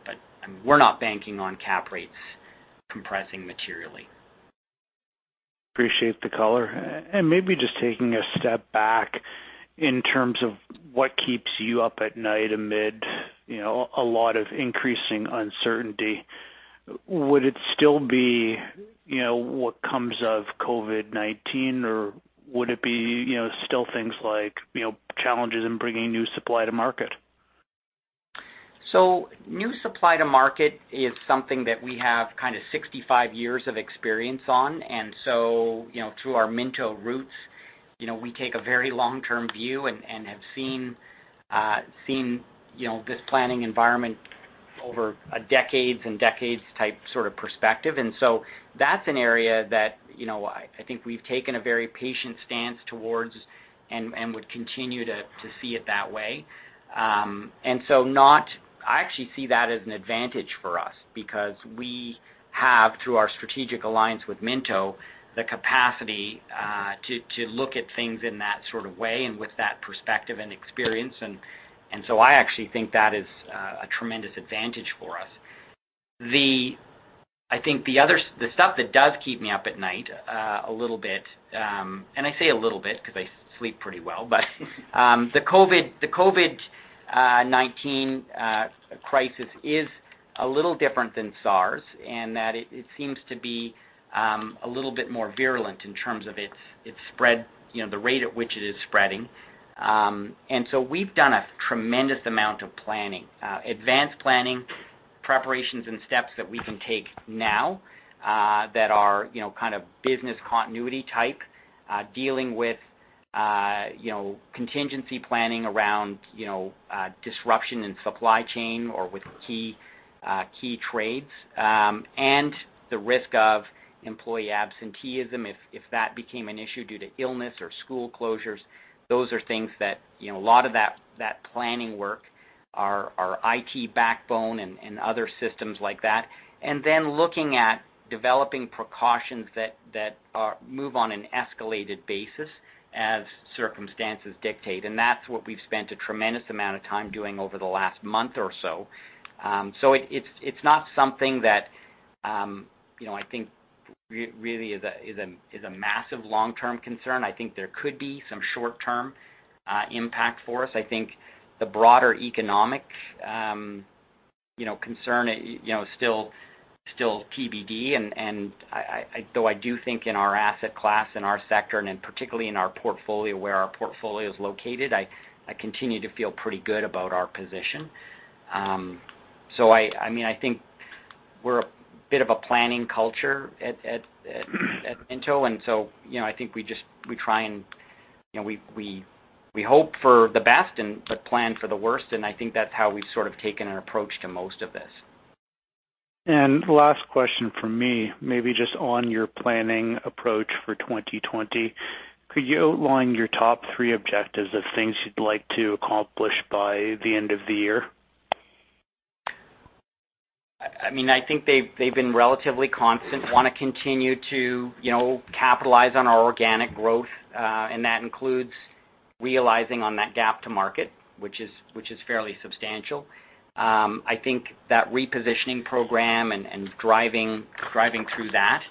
We're not banking on cap rates compressing materially. Appreciate the color. Maybe just taking a step back in terms of what keeps you up at night amid a lot of increasing uncertainty. Would it still be what comes of COVID-19? Would it be still things like challenges in bringing new supply to market? New supply to market is something that we have 65 years of experience on. Through our Minto roots, we take a very long-term view and have seen this planning environment over decades and decades type perspective. That's an area that I think we've taken a very patient stance towards and would continue to see it that way. I actually see that as an advantage for us because we have, through our strategic alliance with Minto, the capacity to look at things in that sort of way and with that perspective and experience. I actually think that is a tremendous advantage for us. I think the stuff that does keep me up at night, a little bit, and I say a little bit because I sleep pretty well. The COVID-19 crisis is a little different than SARS in that it seems to be a little bit more virulent in terms of the rate at which it is spreading. We've done a tremendous amount of planning. Advanced planning, preparations and steps that we can take now that are business continuity type dealing with contingency planning around disruption in supply chain or with key trades, the risk of employee absenteeism if that became an issue due to illness or school closures. Those are things that a lot of that planning work, our IT backbone and other systems like that. Looking at developing precautions that move on an escalated basis as circumstances dictate. That's what we've spent a tremendous amount of time doing over the last month or so. It's not something that I think really is a massive long-term concern. I think there could be some short-term impact for us. I think the broader economic concern is still TBD. Though I do think in our asset class, in our sector, and then particularly in our portfolio where our portfolio is located, I continue to feel pretty good about our position. I think we're a bit of a planning culture at Minto. I think we hope for the best but plan for the worst. I think that's how we've taken an approach to most of this. Last question from me. Maybe just on your planning approach for 2020. Could you outline your top three objectives of things you'd like to accomplish by the end of the year? I think they've been relatively constant. We want to continue to capitalize on our organic growth. That includes realizing on that gap to market, which is fairly substantial. I think that repositioning program and driving through that.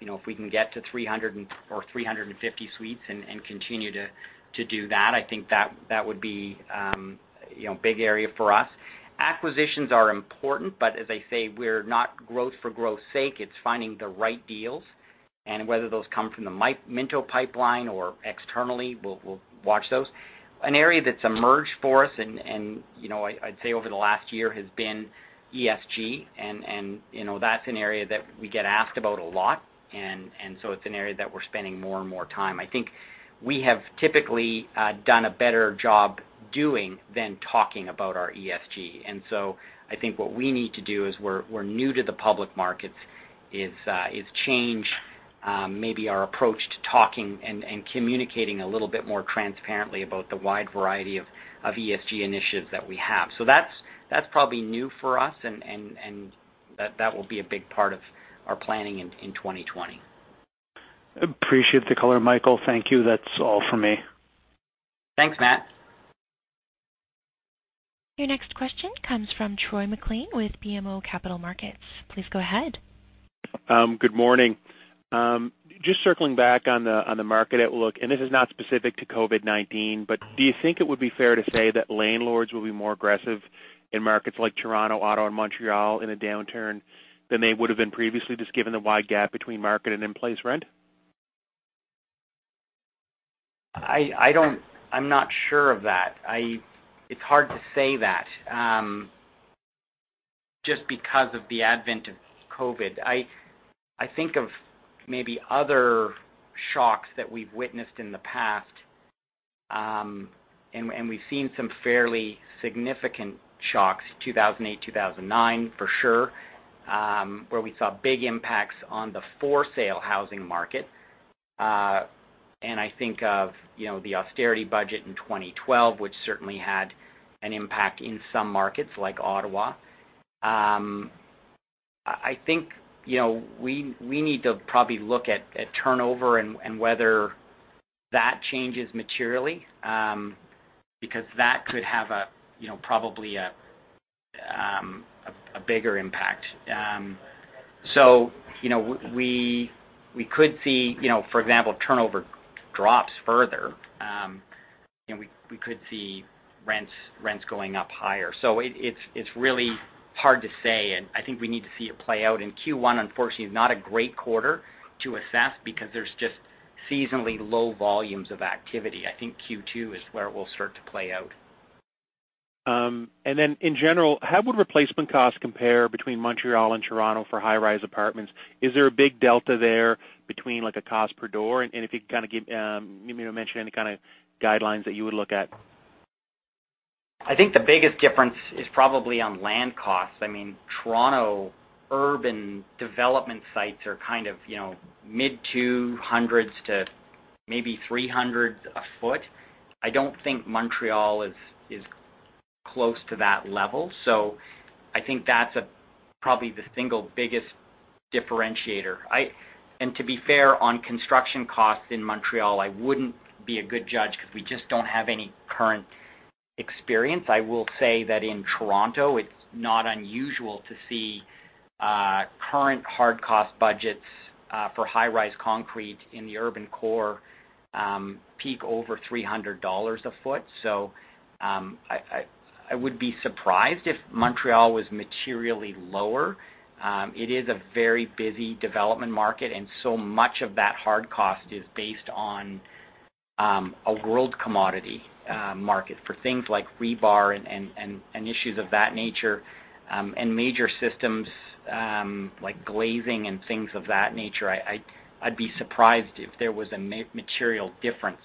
If we can get to 300 or 350 suites and continue to do that, I think that would be a big area for us. Acquisitions are important, as I say, we're not growth for growth's sake. It's finding the right deals. Whether those come from the Minto pipeline or externally, we'll watch those. An area that's emerged for us, I'd say over the last year, has been ESG. That's an area that we get asked about a lot. It's an area that we're spending more and more time. I think we have typically done a better job doing than talking about our ESG. I think what we need to do as we're new to the public markets is change maybe our approach to talking and communicating a little bit more transparently about the wide variety of ESG initiatives that we have. That's probably new for us and that will be a big part of our planning in 2020. Appreciate the color, Michael. Thank you. That's all for me. Thanks, Matt. Your next question comes from Troy MacLean with BMO Capital Markets. Please go ahead. Good morning. Just circling back on the market outlook, this is not specific to COVID-19, but do you think it would be fair to say that landlords will be more aggressive in markets like Toronto, Ottawa, and Montreal in a downturn than they would have been previously, just given the wide gap between market and in-place rent? I'm not sure of that. It's hard to say that just because of the advent of COVID. I think of maybe other shocks that we've witnessed in the past. We've seen some fairly significant shocks, 2008, 2009 for sure, where we saw big impacts on the for-sale housing market. I think of the austerity budget in 2012, which certainly had an impact in some markets like Ottawa. I think we need to probably look at turnover and whether that changes materially because that could have probably a bigger impact. We could see, for example, turnover drops further. We could see rents going up higher. It's really hard to say, and I think we need to see it play out. Q1, unfortunately, is not a great quarter to assess because there's just seasonally low volumes of activity. I think Q2 is where it will start to play out. In general, how would replacement costs compare between Montreal and Toronto for high-rise apartments? Is there a big delta there between a cost per door? If you could kind of mention any kind of guidelines that you would look at. I think the biggest difference is probably on land costs. Toronto urban development sites are CAD mid-200s to maybe 300 a foot. I don't think Montréal is close to that level. I think that's probably the single biggest differentiator. To be fair, on construction costs in Montréal, I wouldn't be a good judge because we just don't have any current experience. I will say that in Toronto, it's not unusual to see current hard cost budgets for high-rise concrete in the urban core peak over 300 dollars a ft. I would be surprised if Montréal was materially lower. It is a very busy development market, and so much of that hard cost is based on a world commodity market for things like rebar and issues of that nature and major systems like glazing and things of that nature. I'd be surprised if there was a material difference.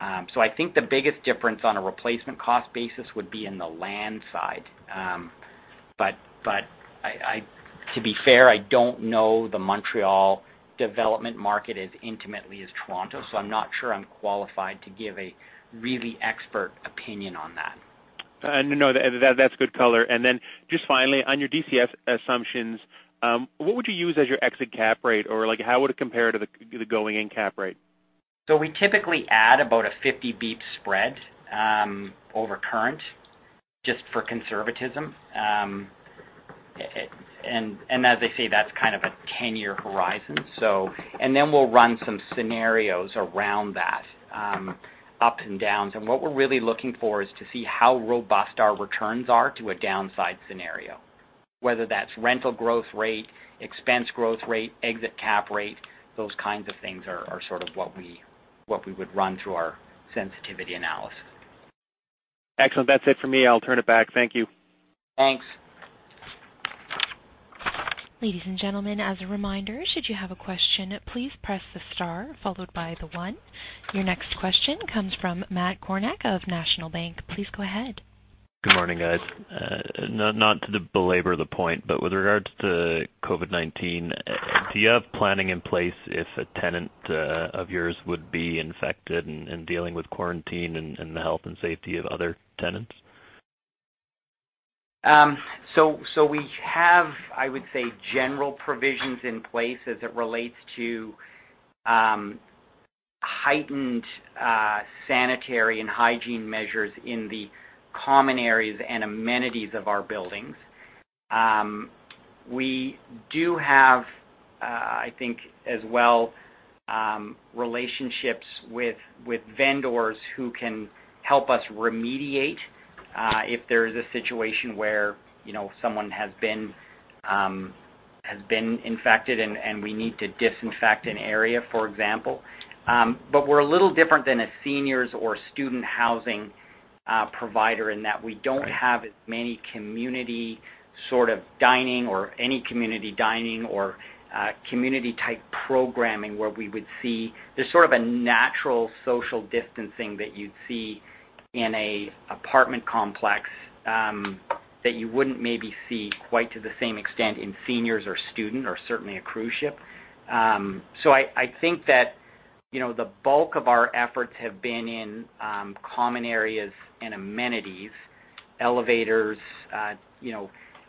I think the biggest difference on a replacement cost basis would be in the land side. To be fair, I don't know the Montreal development market as intimately as Toronto, so I'm not sure I'm qualified to give a really expert opinion on that. No, that's good color. Then just finally, on your DCF assumptions, what would you use as your exit cap rate? Or how would it compare to the going-in cap rate? We typically add about a 50-bp spread over current, just for conservatism. As I say, that's kind of a 10-year horizon. Then we'll run some scenarios around that, ups and downs. What we're really looking for is to see how robust our returns are to a downside scenario, whether that's rental growth rate, expense growth rate, exit cap rate. Those kinds of things are sort of what we would run through our sensitivity analysis. Excellent. That's it for me. I'll turn it back. Thank you. Thanks. Ladies and gentlemen, as a reminder, should you have a question, please press the star followed by the one. Your next question comes from Matt Kornack of National Bank. Please go ahead. Good morning, guys. Not to belabor the point, with regards to COVID-19, do you have planning in place if a tenant of yours would be infected and dealing with quarantine and the health and safety of other tenants? We have, I would say, general provisions in place as it relates to heightened sanitary and hygiene measures in the common areas and amenities of our buildings. We do have, I think as well, relationships with vendors who can help us remediate if there is a situation where someone has been infected and we need to disinfect an area, for example. We're a little different than a seniors or student housing provider in that we don't have as many community sort of dining or any community dining or community-type programming where we would see There's sort of a natural social distancing that you'd see in an apartment complex that you wouldn't maybe see quite to the same extent in seniors or student or certainly a cruise ship. I think that the bulk of our efforts have been in common areas and amenities, elevators,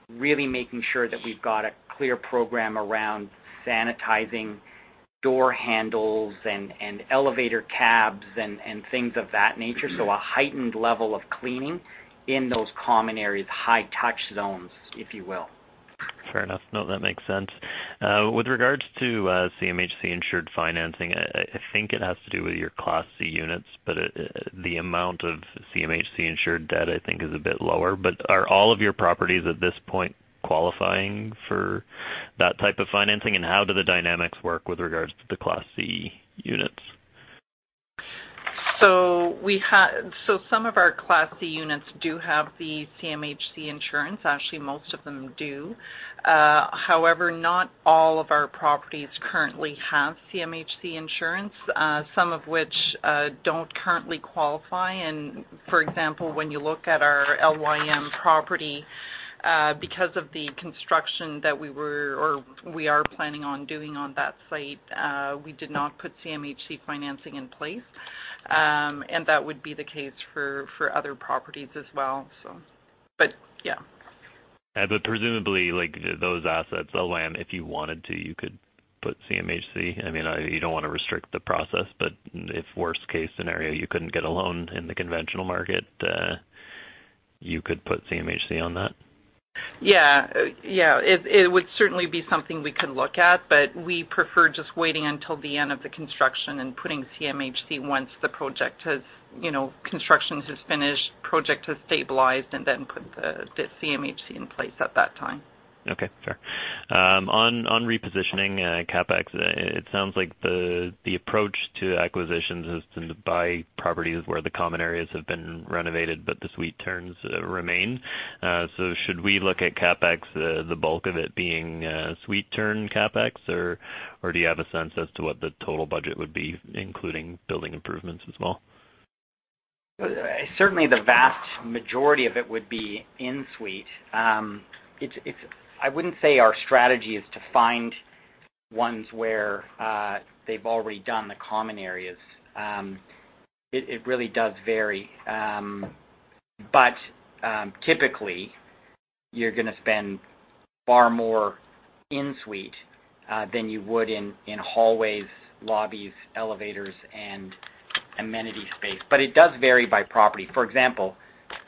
really making sure that we've got a clear program around sanitizing door handles and elevator cabs and things of that nature. A heightened level of cleaning in those common areas, high-touch zones, if you will. Fair enough. No, that makes sense. With regards to CMHC-insured financing, I think it has to do with your Class C units, but the amount of CMHC-insured debt, I think, is a bit lower. Are all of your properties at this point qualifying for that type of financing? How do the dynamics work with regards to the Class C units? Some of our Class C units do have the CMHC insurance. Actually, most of them do. However, not all of our properties currently have CMHC insurance, some of which don't currently qualify. For example, when you look at our LYM property because of the construction that we are planning on doing on that site, we did not put CMHC financing in place. That would be the case for other properties as well. Yeah. Presumably, those assets, the land, if you wanted to, you could put CMHC. You don't want to restrict the process, but if worst-case scenario, you couldn't get a loan in the conventional market, you could put CMHC on that? Yeah. It would certainly be something we could look at, but we prefer just waiting until the end of the construction and putting CMHC once construction is finished, project has stabilized, and then put the CMHC in place at that time. Okay, fair. On repositioning CapEx, it sounds like the approach to acquisitions is to buy properties where the common areas have been renovated, but the suite turns remain. Should we look at CapEx, the bulk of it being suite turn CapEx, or do you have a sense as to what the total budget would be, including building improvements as well? Certainly the vast majority of it would be in-suite. I wouldn't say our strategy is to find ones where they've already done the common areas. It really does vary. Typically, you're going to spend far more in-suite than you would in hallways, lobbies, elevators, and amenity space. It does vary by property. For example,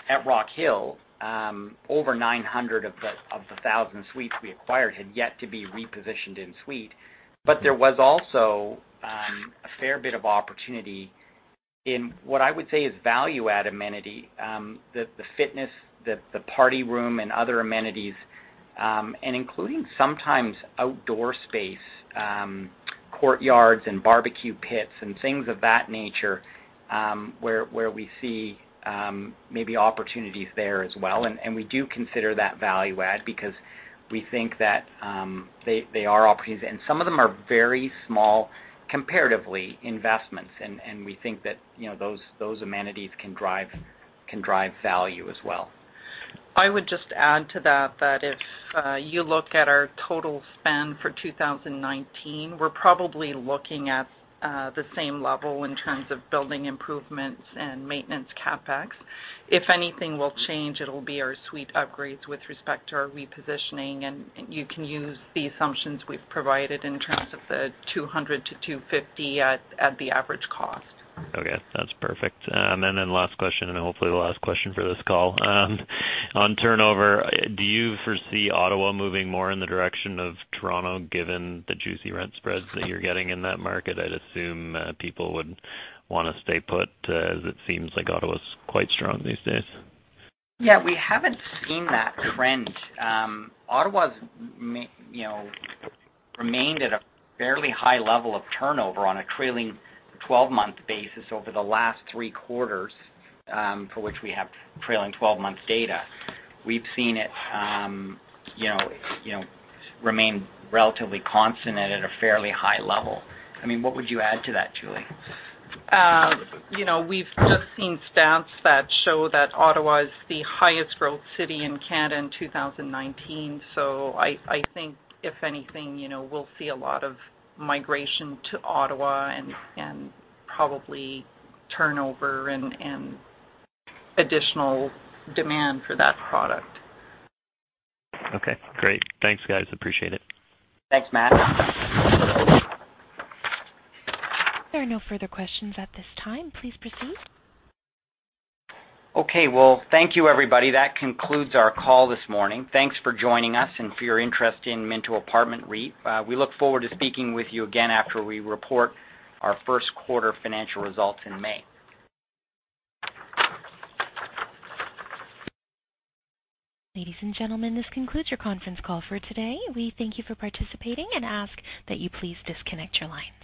at Rockhill, over 900 of the 1,000 suites we acquired had yet to be repositioned in-suite. There was also a fair bit of opportunity in what I would say is value-add amenity, the fitness, the party room, and other amenities, and including sometimes outdoor space, courtyards, and barbecue pits, and things of that nature, where we see maybe opportunities there as well. We do consider that value add because we think that they are opportunities. Some of them are very small, comparatively, investments, and we think that those amenities can drive value as well. I would just add to that if you look at our total spend for 2019, we're probably looking at the same level in terms of building improvements and maintenance CapEx. If anything will change, it'll be our suite upgrades with respect to our repositioning, and you can use the assumptions we've provided in terms of the 200-250 at the average cost. Okay, that's perfect. Last question, and hopefully the last question for this call. On turnover, do you foresee Ottawa moving more in the direction of Toronto, given the juicy rent spreads that you're getting in that market? I'd assume people would want to stay put, as it seems like Ottawa's quite strong these days. Yeah, we haven't seen that trend. Ottawa's remained at a fairly high level of turnover on a trailing 12-month basis over the last three quarters, for which we have trailing 12-month data. We've seen it remain relatively constant at a fairly high level. What would you add to that, Julie? We've just seen stats that show that Ottawa is the highest-growth city in Canada in 2019. I think if anything, we'll see a lot of migration to Ottawa and probably turnover and additional demand for that product. Okay, great. Thanks, guys. Appreciate it. Thanks, Matt. There are no further questions at this time. Please proceed. Okay, well, thank you everybody. That concludes our call this morning. Thanks for joining us and for your interest in Minto Apartment REIT. We look forward to speaking with you again after we report our first-quarter financial results in May. Ladies and gentlemen, this concludes your conference call for today. We thank you for participating and ask that you please disconnect your lines.